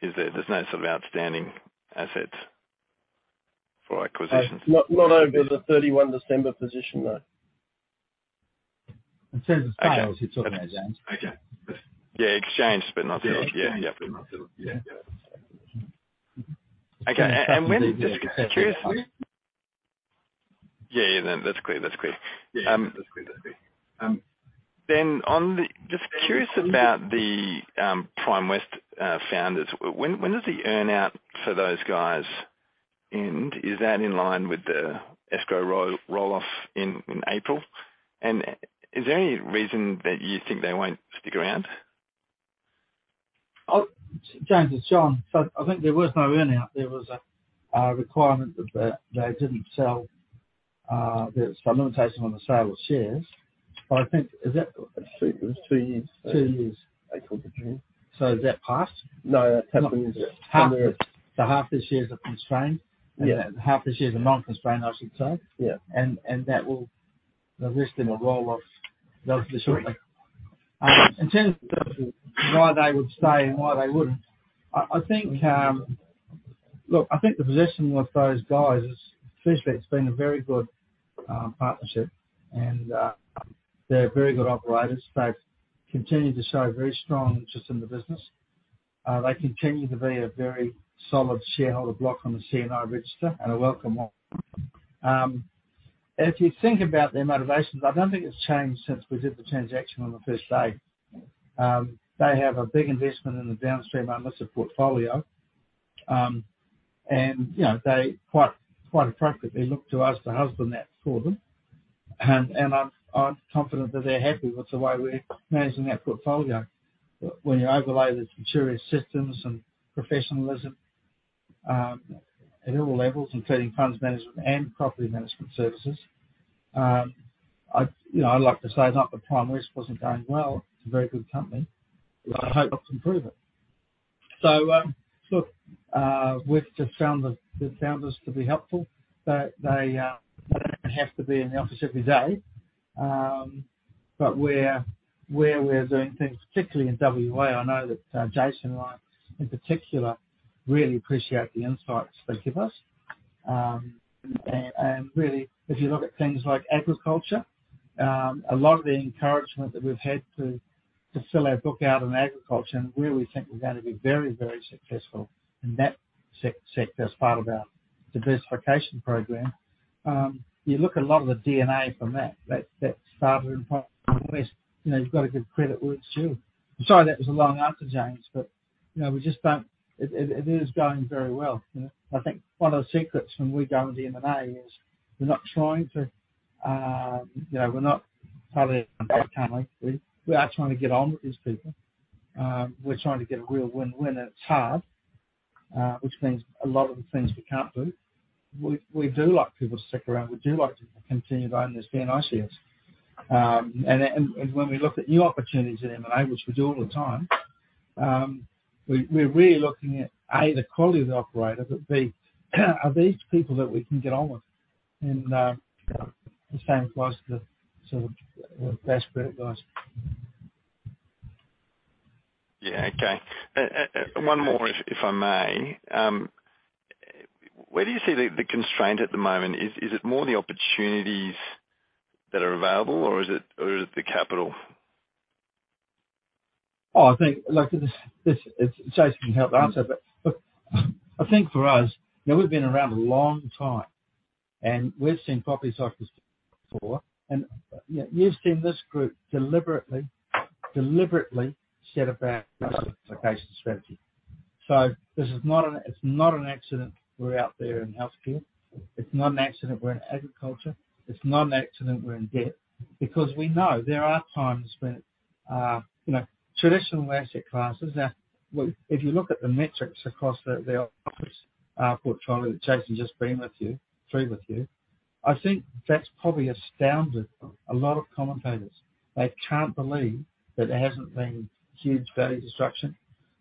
is there? There's no sort of outstanding assets for acquisitions? Not over the 31 December position, no. In terms of scales, it's organized. Okay. Yeah, exchanged but not settled. Yeah. Yeah. Yeah, exchanged but not settled. Yeah. Okay. When did Yeah. That's clear. Yeah, that's clear. That's clear. Just curious about the Primewest founders. When does the earn out for those guys end? Is that in line with the escrow roll-off in April? Is there any reason that you think they won't stick around? James, it's John. I think there was no earn out. There was a requirement that they didn't sell, there was some limitation on the sale of shares. I think. I think it was two years. two years. April to June. Is that passed? No, that's Half the shares are constrained. Yeah. Half the shares are non-constrained, I should say. Yeah. That will result in a roll-off those this year. Correct. In terms of why they would stay and why they wouldn't, I think Look, I think the position with those guys is, firstly, it's been a very good partnership. They're very good operators. They've continued to show very strong interest in the business. They continue to be a very solid shareholder block on the C&I register, and a welcome one. If you think about their motivations, I don't think it's changed since we did the transaction on the first day. They have a big investment in the downstream unless a portfolio, you know, they quite appropriately look to us to husband that for them. I'm confident that they're happy with the way we're managing that portfolio. When you overlay the mature systems and professionalism, at all levels, including funds management and property management services, I, you know, I'd like to say not that Primewest wasn't going well, it's a very good company. I hope to improve it. Look, we've just found the founders to be helpful. They don't have to be in the office every day. But where we're doing things, particularly in WA, I know that Jason and I, in particular, really appreciate the insights they give us. If you look at things like agriculture, a lot of the encouragement that we've had to fill our book out in agriculture and where we think we're gonna be very successful in that sector as part of our diversification program, you look at a lot of the D&A from that started in Primewest. You know, you've got a good credit worth too. I'm sorry that was a long answer, James, you know, we just don't. It is going very well. You know? I think one of the secrets when we go into M&A is we're not trying to, you know, We are trying to get on with these people. We're trying to get a real win-win, it's hard, which means a lot of the things we can't do. We do like people to stick around. We do like people to continue to own their C&I shares. When we look at new opportunities in M&A, which we do all the time, we're really looking at, A, the quality of the operator, but B, are these people that we can get on with? You know, staying close to the sort of best credit guys. Okay. One more if I may. Where do you see the constraint at the moment? Is it more the opportunities that are available or is it the capital? I think, look, this Jason can help answer. Look, I think for us, you know, we've been around a long time and we've seen properties like this before. You know, you've seen this group deliberately set about diversification strategy. This is not an accident we're out there in healthcare. It's not an accident we're in agriculture. It's not an accident we're in debt. We know there are times when, you know, traditional asset classes. Well, if you look at the metrics across the office portfolio that Jason's just been through with you, I think that's probably astounded a lot of commentators. They can't believe that there hasn't been huge value destruction.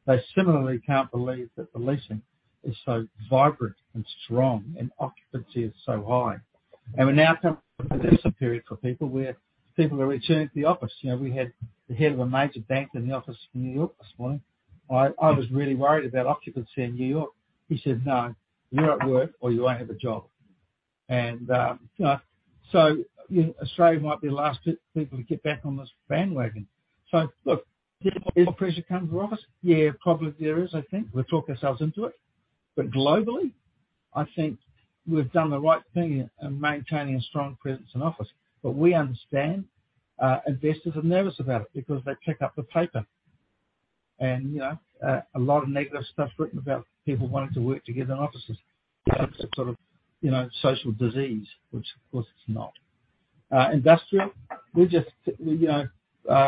They similarly can't believe that the leasing is so vibrant and strong and occupancy is so high. We're now coming through this period for people where people are returning to the office. You know, we had the head of a major bank in the office from New York this morning. I was really worried about occupancy in New York. He said, "No, you're at work or you won't have a job." You know, Australia might be the last people to get back on this bandwagon. Look, will pressure come to office? Yeah, probably there is, I think. We've talked ourselves into it. Globally, I think we've done the right thing in maintaining a strong presence in office. We understand investors are nervous about it because they pick up the paper and, you know, a lot of negative stuff written about people wanting to work together in offices. It's a sort of, you know, social disease, which of course it's not. Industrial, we just, you know,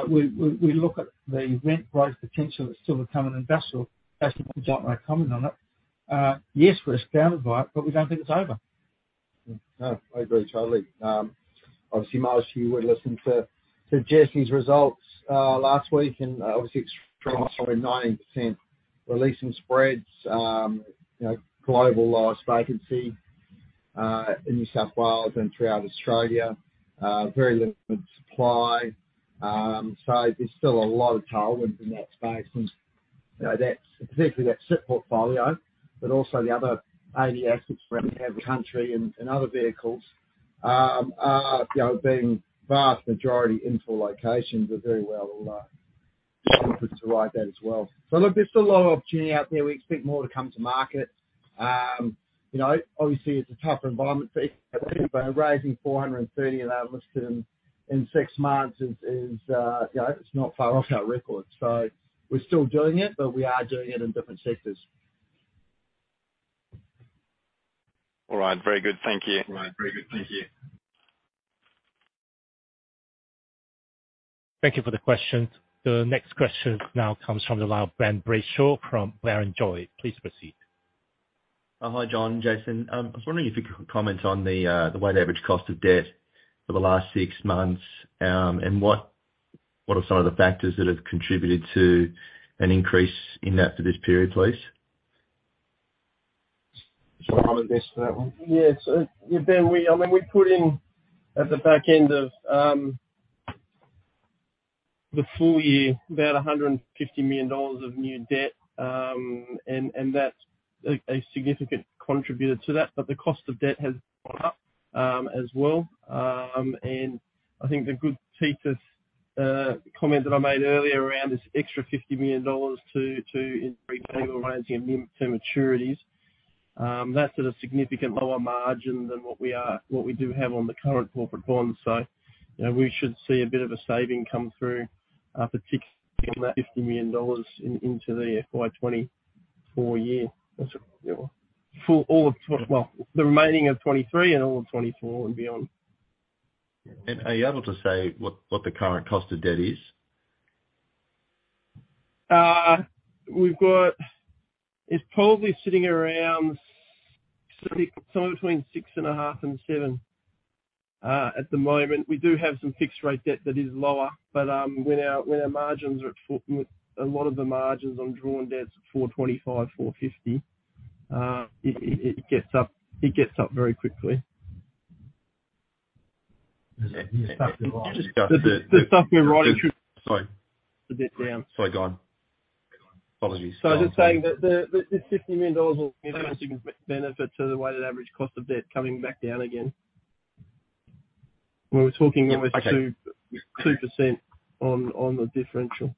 we look at the rent growth potential that's still to come in industrial. Jason and John may comment on it. Yes, we're astounded by it, but we don't think it's over. I agree totally. Obviously most of you would've listened to Jesse's results last week and obviously extremely strong in 90% releasing spreads, you know, global lowest vacancy in New South Wales and throughout Australia. Very limited supply. There's still a lot of tailwinds in that space and, you know, that's, particularly that CIP portfolio, but also the other 80 assets around the country and other vehicles, are, you know, being vast majority infill locations are very well. To ride that as well. Look, there's still a lot of opportunity out there. We expect more to come to market. you know, obviously it's a tougher environment for raising 430 in our listing in six months is, you know, it's not far off our record. We're still doing it, but we are doing it in different sectors. All right. Very good. Thank you. All right. Very good. Thank you. Thank you for the question. The next question now comes from the line of Ben Brayshaw from Barrenjoey. Please proceed. Hi, John, Jason. I was wondering if you could comment on the weighted average cost of debt for the last six months, and what are some of the factors that have contributed to an increase in that for this period, please? Should I address that one? Yes. Ben, we put in at the back end of the full year about 150 million dollars of new debt, and that's a significant contributor to that. The cost of debt has gone up as well. I think the good teases comment that I made earlier around this extra 50 million dollars to in retail raising new term maturities, that's at a significant lower margin than what we do have on the current corporate bonds. You know, we should see a bit of a saving come through for 60 million dollars into the FY24 year. That's it. For all of well, the remaining of 2023 and all of 2024 and beyond. Are you able to say what the current cost of debt is? It's probably sitting somewhere between 6.5% and 7% at the moment. We do have some fixed rate debt that is lower, when our margins are at a lot of the margins on drawn debts at 4.25%, 4.50%, it gets up very quickly. The stuff we're writing through. Sorry. The debt down. Sorry, go on. Apologies. I'm just saying that the 50 million dollars will be a significant benefit to the weighted average cost of debt coming back down again. We're talking almost 2% on the differential.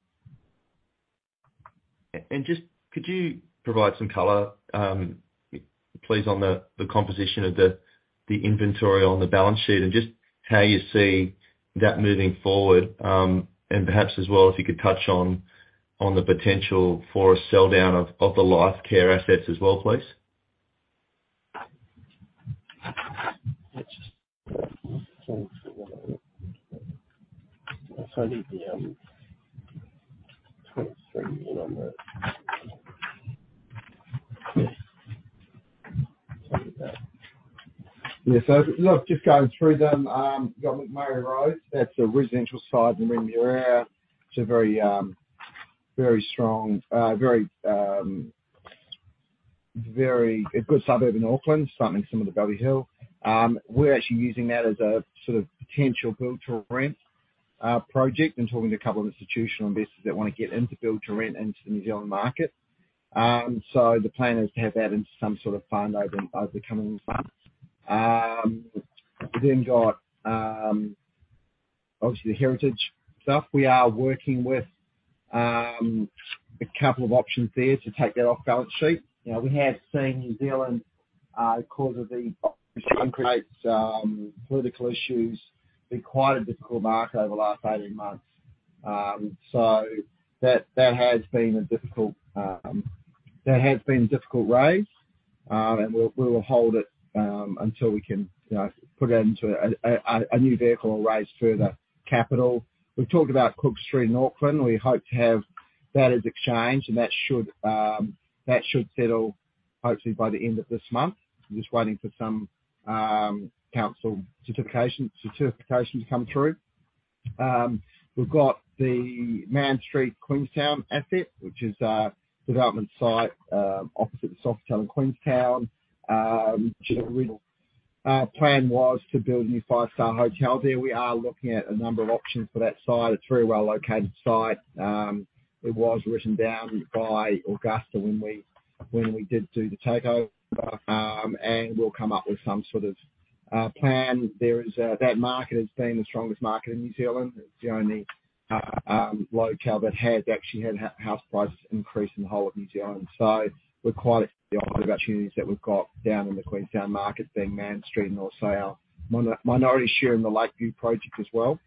Just could you provide some color, please, on the composition of the inventory on the balance sheet and just how you see that moving forward? Perhaps as well, if you could touch on the potential for a sell down of the life care assets as well, please. Yeah. Look, just going through them, you got McMurray Road. That's a residential site in Remuera. It's a very, very strong, a good suburb in Auckland, something similar to Bellevue Hill. We're actually using that as a sort of potential build to rent project. Been talking to a couple of institutional investors that wanna get into build to rent into the New Zealand market. The plan is to have that into some sort of fund over the coming months. We got obviously the heritage stuff. We are working with a couple of options there to take that off balance sheet. You know, we have seen New Zealand because of the political issues, been quite a difficult market over the last 18 months. That has been a difficult, that has been difficult raise. We will hold it, until we can, you know, put it into a new vehicle and raise further capital. We've talked about Cook Street in Auckland. We hope to have that as exchange, and that should settle hopefully by the end of this month. We're just waiting for some council certification to come through. We've got the Mann Street, Queenstown asset, which is a development site, opposite the Sofitel in Queenstown. Our original plan was to build a new five-star hotel there. We are looking at a number of options for that site. It's a very well-located site. It was written down by Augusta when we did do the takeover, and we'll come up with some sort of plan. There is that market has been the strongest market in New Zealand. It's the only locale that has actually had house prices increase in the whole of New Zealand. We're quite of opportunities that we've got down in the Queenstown market, being Mann Street and also our minority share in the Lakeview project as well.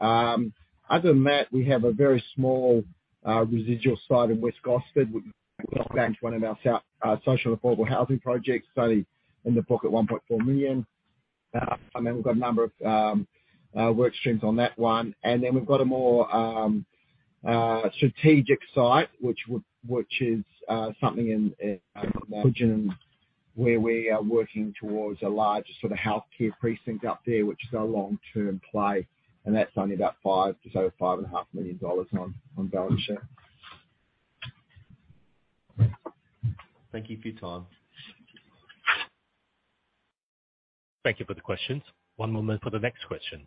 Other than that, we have a very small residual site in West Gosford with one of our south social affordable housing projects. In the book at 1.4 million. We've got a number of work streams on that one. Then we've got a more strategic site, which is something in where we are working towards a larger sort of healthcare precinct up there, which is our long-term play, and that's only about 5 million, just over 5.5 Million dollars on balance sheet. Thank you for your time. Thank you for the questions. One moment for the next question.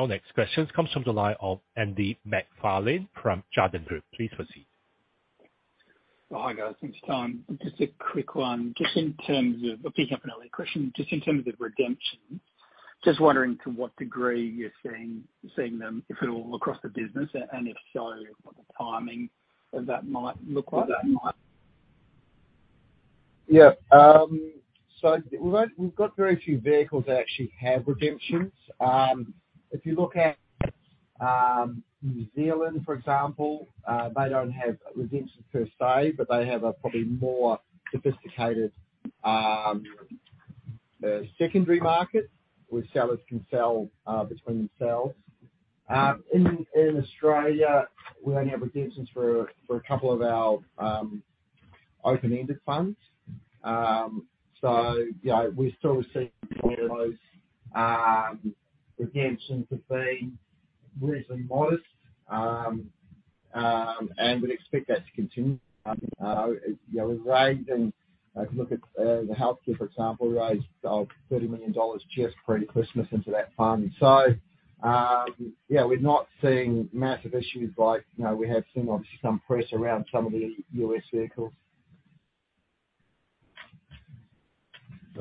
Our next questions comes from the line of Andrew MacFarlane from Jarden Group. Please proceed. Oh, hi, guys. Thanks, Tom. Just a quick one. Picking up an early question, just in terms of redemptions, just wondering to what degree you're seeing them, if at all, across the business, and if so, what the timing of that might look like. Yeah. So we've got very few vehicles that actually have redemptions. If you look at New Zealand, for example, they don't have redemptions per se, but they have a probably more sophisticated secondary market, where sellers can sell between themselves. In Australia, we only have redemptions for a couple of our open-ended funds. So yeah, we still see one of those, redemptions have been reasonably modest. And we'd expect that to continue. Yeah, we've raised I can look at the healthcare, for example, raised 30 million dollars just pre-Christmas into that fund. Yeah, we're not seeing massive issues like, you know, we have seen obviously some press around some of the U.S. vehicles. Got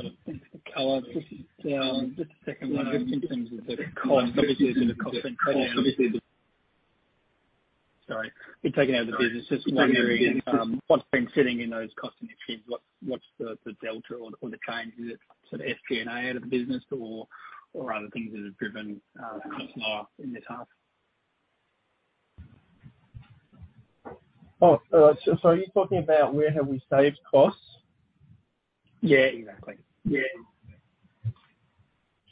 it. Thanks for color. Just, just a second one. Just in terms of the cost, obviously, a bit of, sorry, you're taking out of the business. Just wondering what's been sitting in those cost initiatives. What's the delta or the change? Is it sort of SP&A out of the business or other things that have driven costs lower in the task? Are you talking about where have we saved costs? Yeah, exactly. Yeah.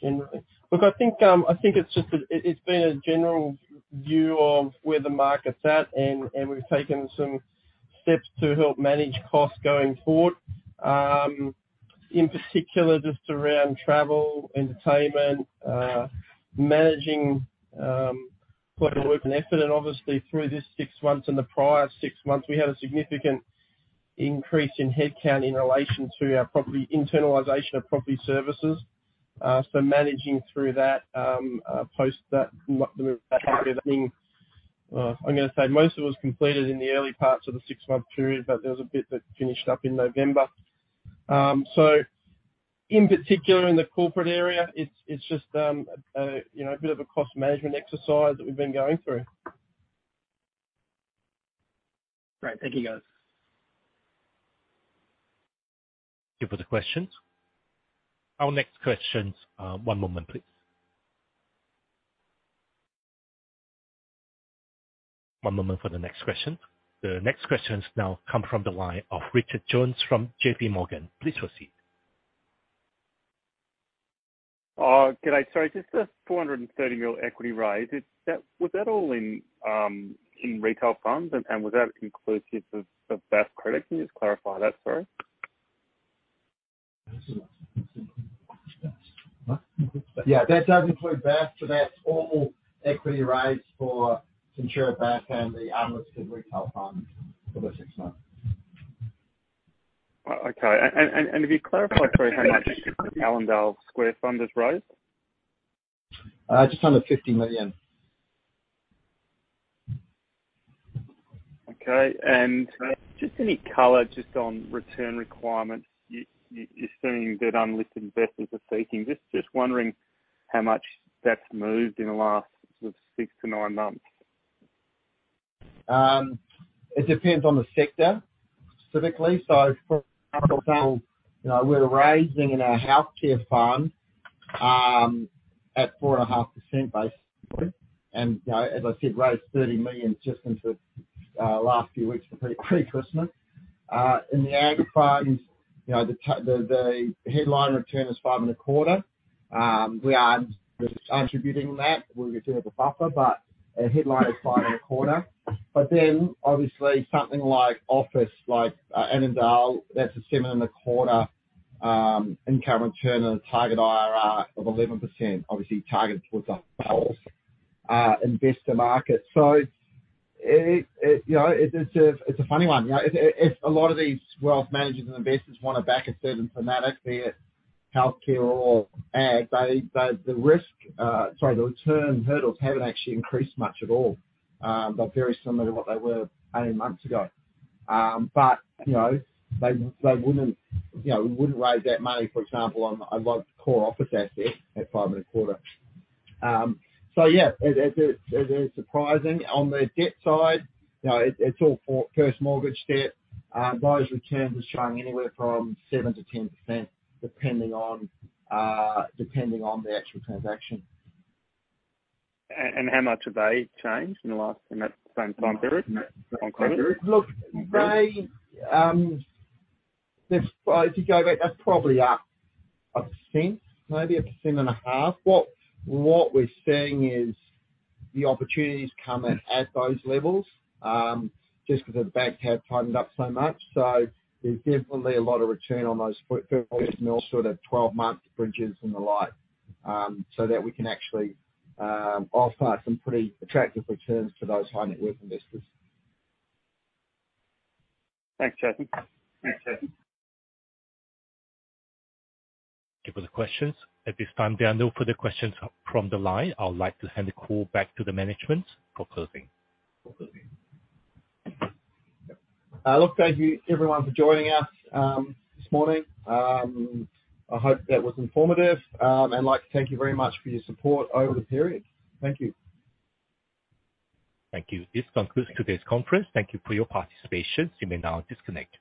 Look, I think, I think it's just that it's been a general view of where the market's at and we've taken some steps to help manage costs going forward. In particular, just around travel, entertainment, managing, quite a work and effort. Obviously through this six months and the prior six months, we had a significant increase in headcount in relation to our property internalization of property services. Managing through that, post that, the move back everything. I'm gonna say most of it was completed in the early parts of the six-month period, but there was a bit that finished up in November. In particular, in the corporate area, it's just, you know, a bit of a cost management exercise that we've been going through. Great. Thank you, guys. Thank you for the questions. Our next questions, one moment, please. One moment for the next question. The next questions now come from the line of Richard Jones from J.P. Morgan. Please proceed. G'day. Sorry, just the 430 million equity raise. Was that all in retail funds and was that inclusive of Bass Credit? Can you just clarify that, sorry? Yeah, that does include Bass. That's all equity raise for Centuria Capital and the unlisted retail funds for the 6 months. okay. If you clarify for me how much Allendale Square Fund has raised. just under AUD 50 million. Okay. just any color just on return requirements you're seeing that unlisted investors are seeking. Just wondering how much that's moved in the last six to nine months. It depends on the sector specifically. For example, you know, we're raising in our healthcare fund, at 4.5%, basically. You know, as I said, raised 30 million just in the last few weeks pre-Christmas. In the ag funds, you know, the headline return is 5.25%. We are just attributing that. We do have a buffer, but our headline is 5.25%. Obviously something like office, like Annandale, that's a 7.25% income return on a target IRR of 11%, obviously targeted towards a whole investor market. It, you know, it's a funny one. You know, if a lot of these wealth managers and investors wanna back a certain thematic, be it healthcare or Ag, they, the risk, sorry, the return hurdles haven't actually increased much at all. They're very similar to what they were 18 months ago. You know, they wouldn't, you know, we wouldn't raise that money, for example, on a large core office asset at 5.25%. Yeah, it, it is surprising. On the debt side, you know, it's all for first mortgage debt. Those returns are showing anywhere from 7%-10%, depending on, depending on the actual transaction. How much have they changed in that same time period? In that same time period. Look, they, if I was to go back, that's probably up 1%, maybe 1.5%. What we're seeing is the opportunities come at those levels, just because the bank has tightened up so much. There's definitely a lot of return on those personal sort of 12-month bridges and the like, so that we can actually, offer some pretty attractive returns for those high net worth investors. Thanks, Jason. Thanks, Jason. Thank you for the questions. At this time, there are no further questions from the line. I would like to hand the call back to the management for closing. Look, thank you everyone for joining us this morning. I hope that was informative. I'd like to thank you very much for your support over the period. Thank you. Thank you. This concludes today's conference. Thank you for your participation. You may now disconnect.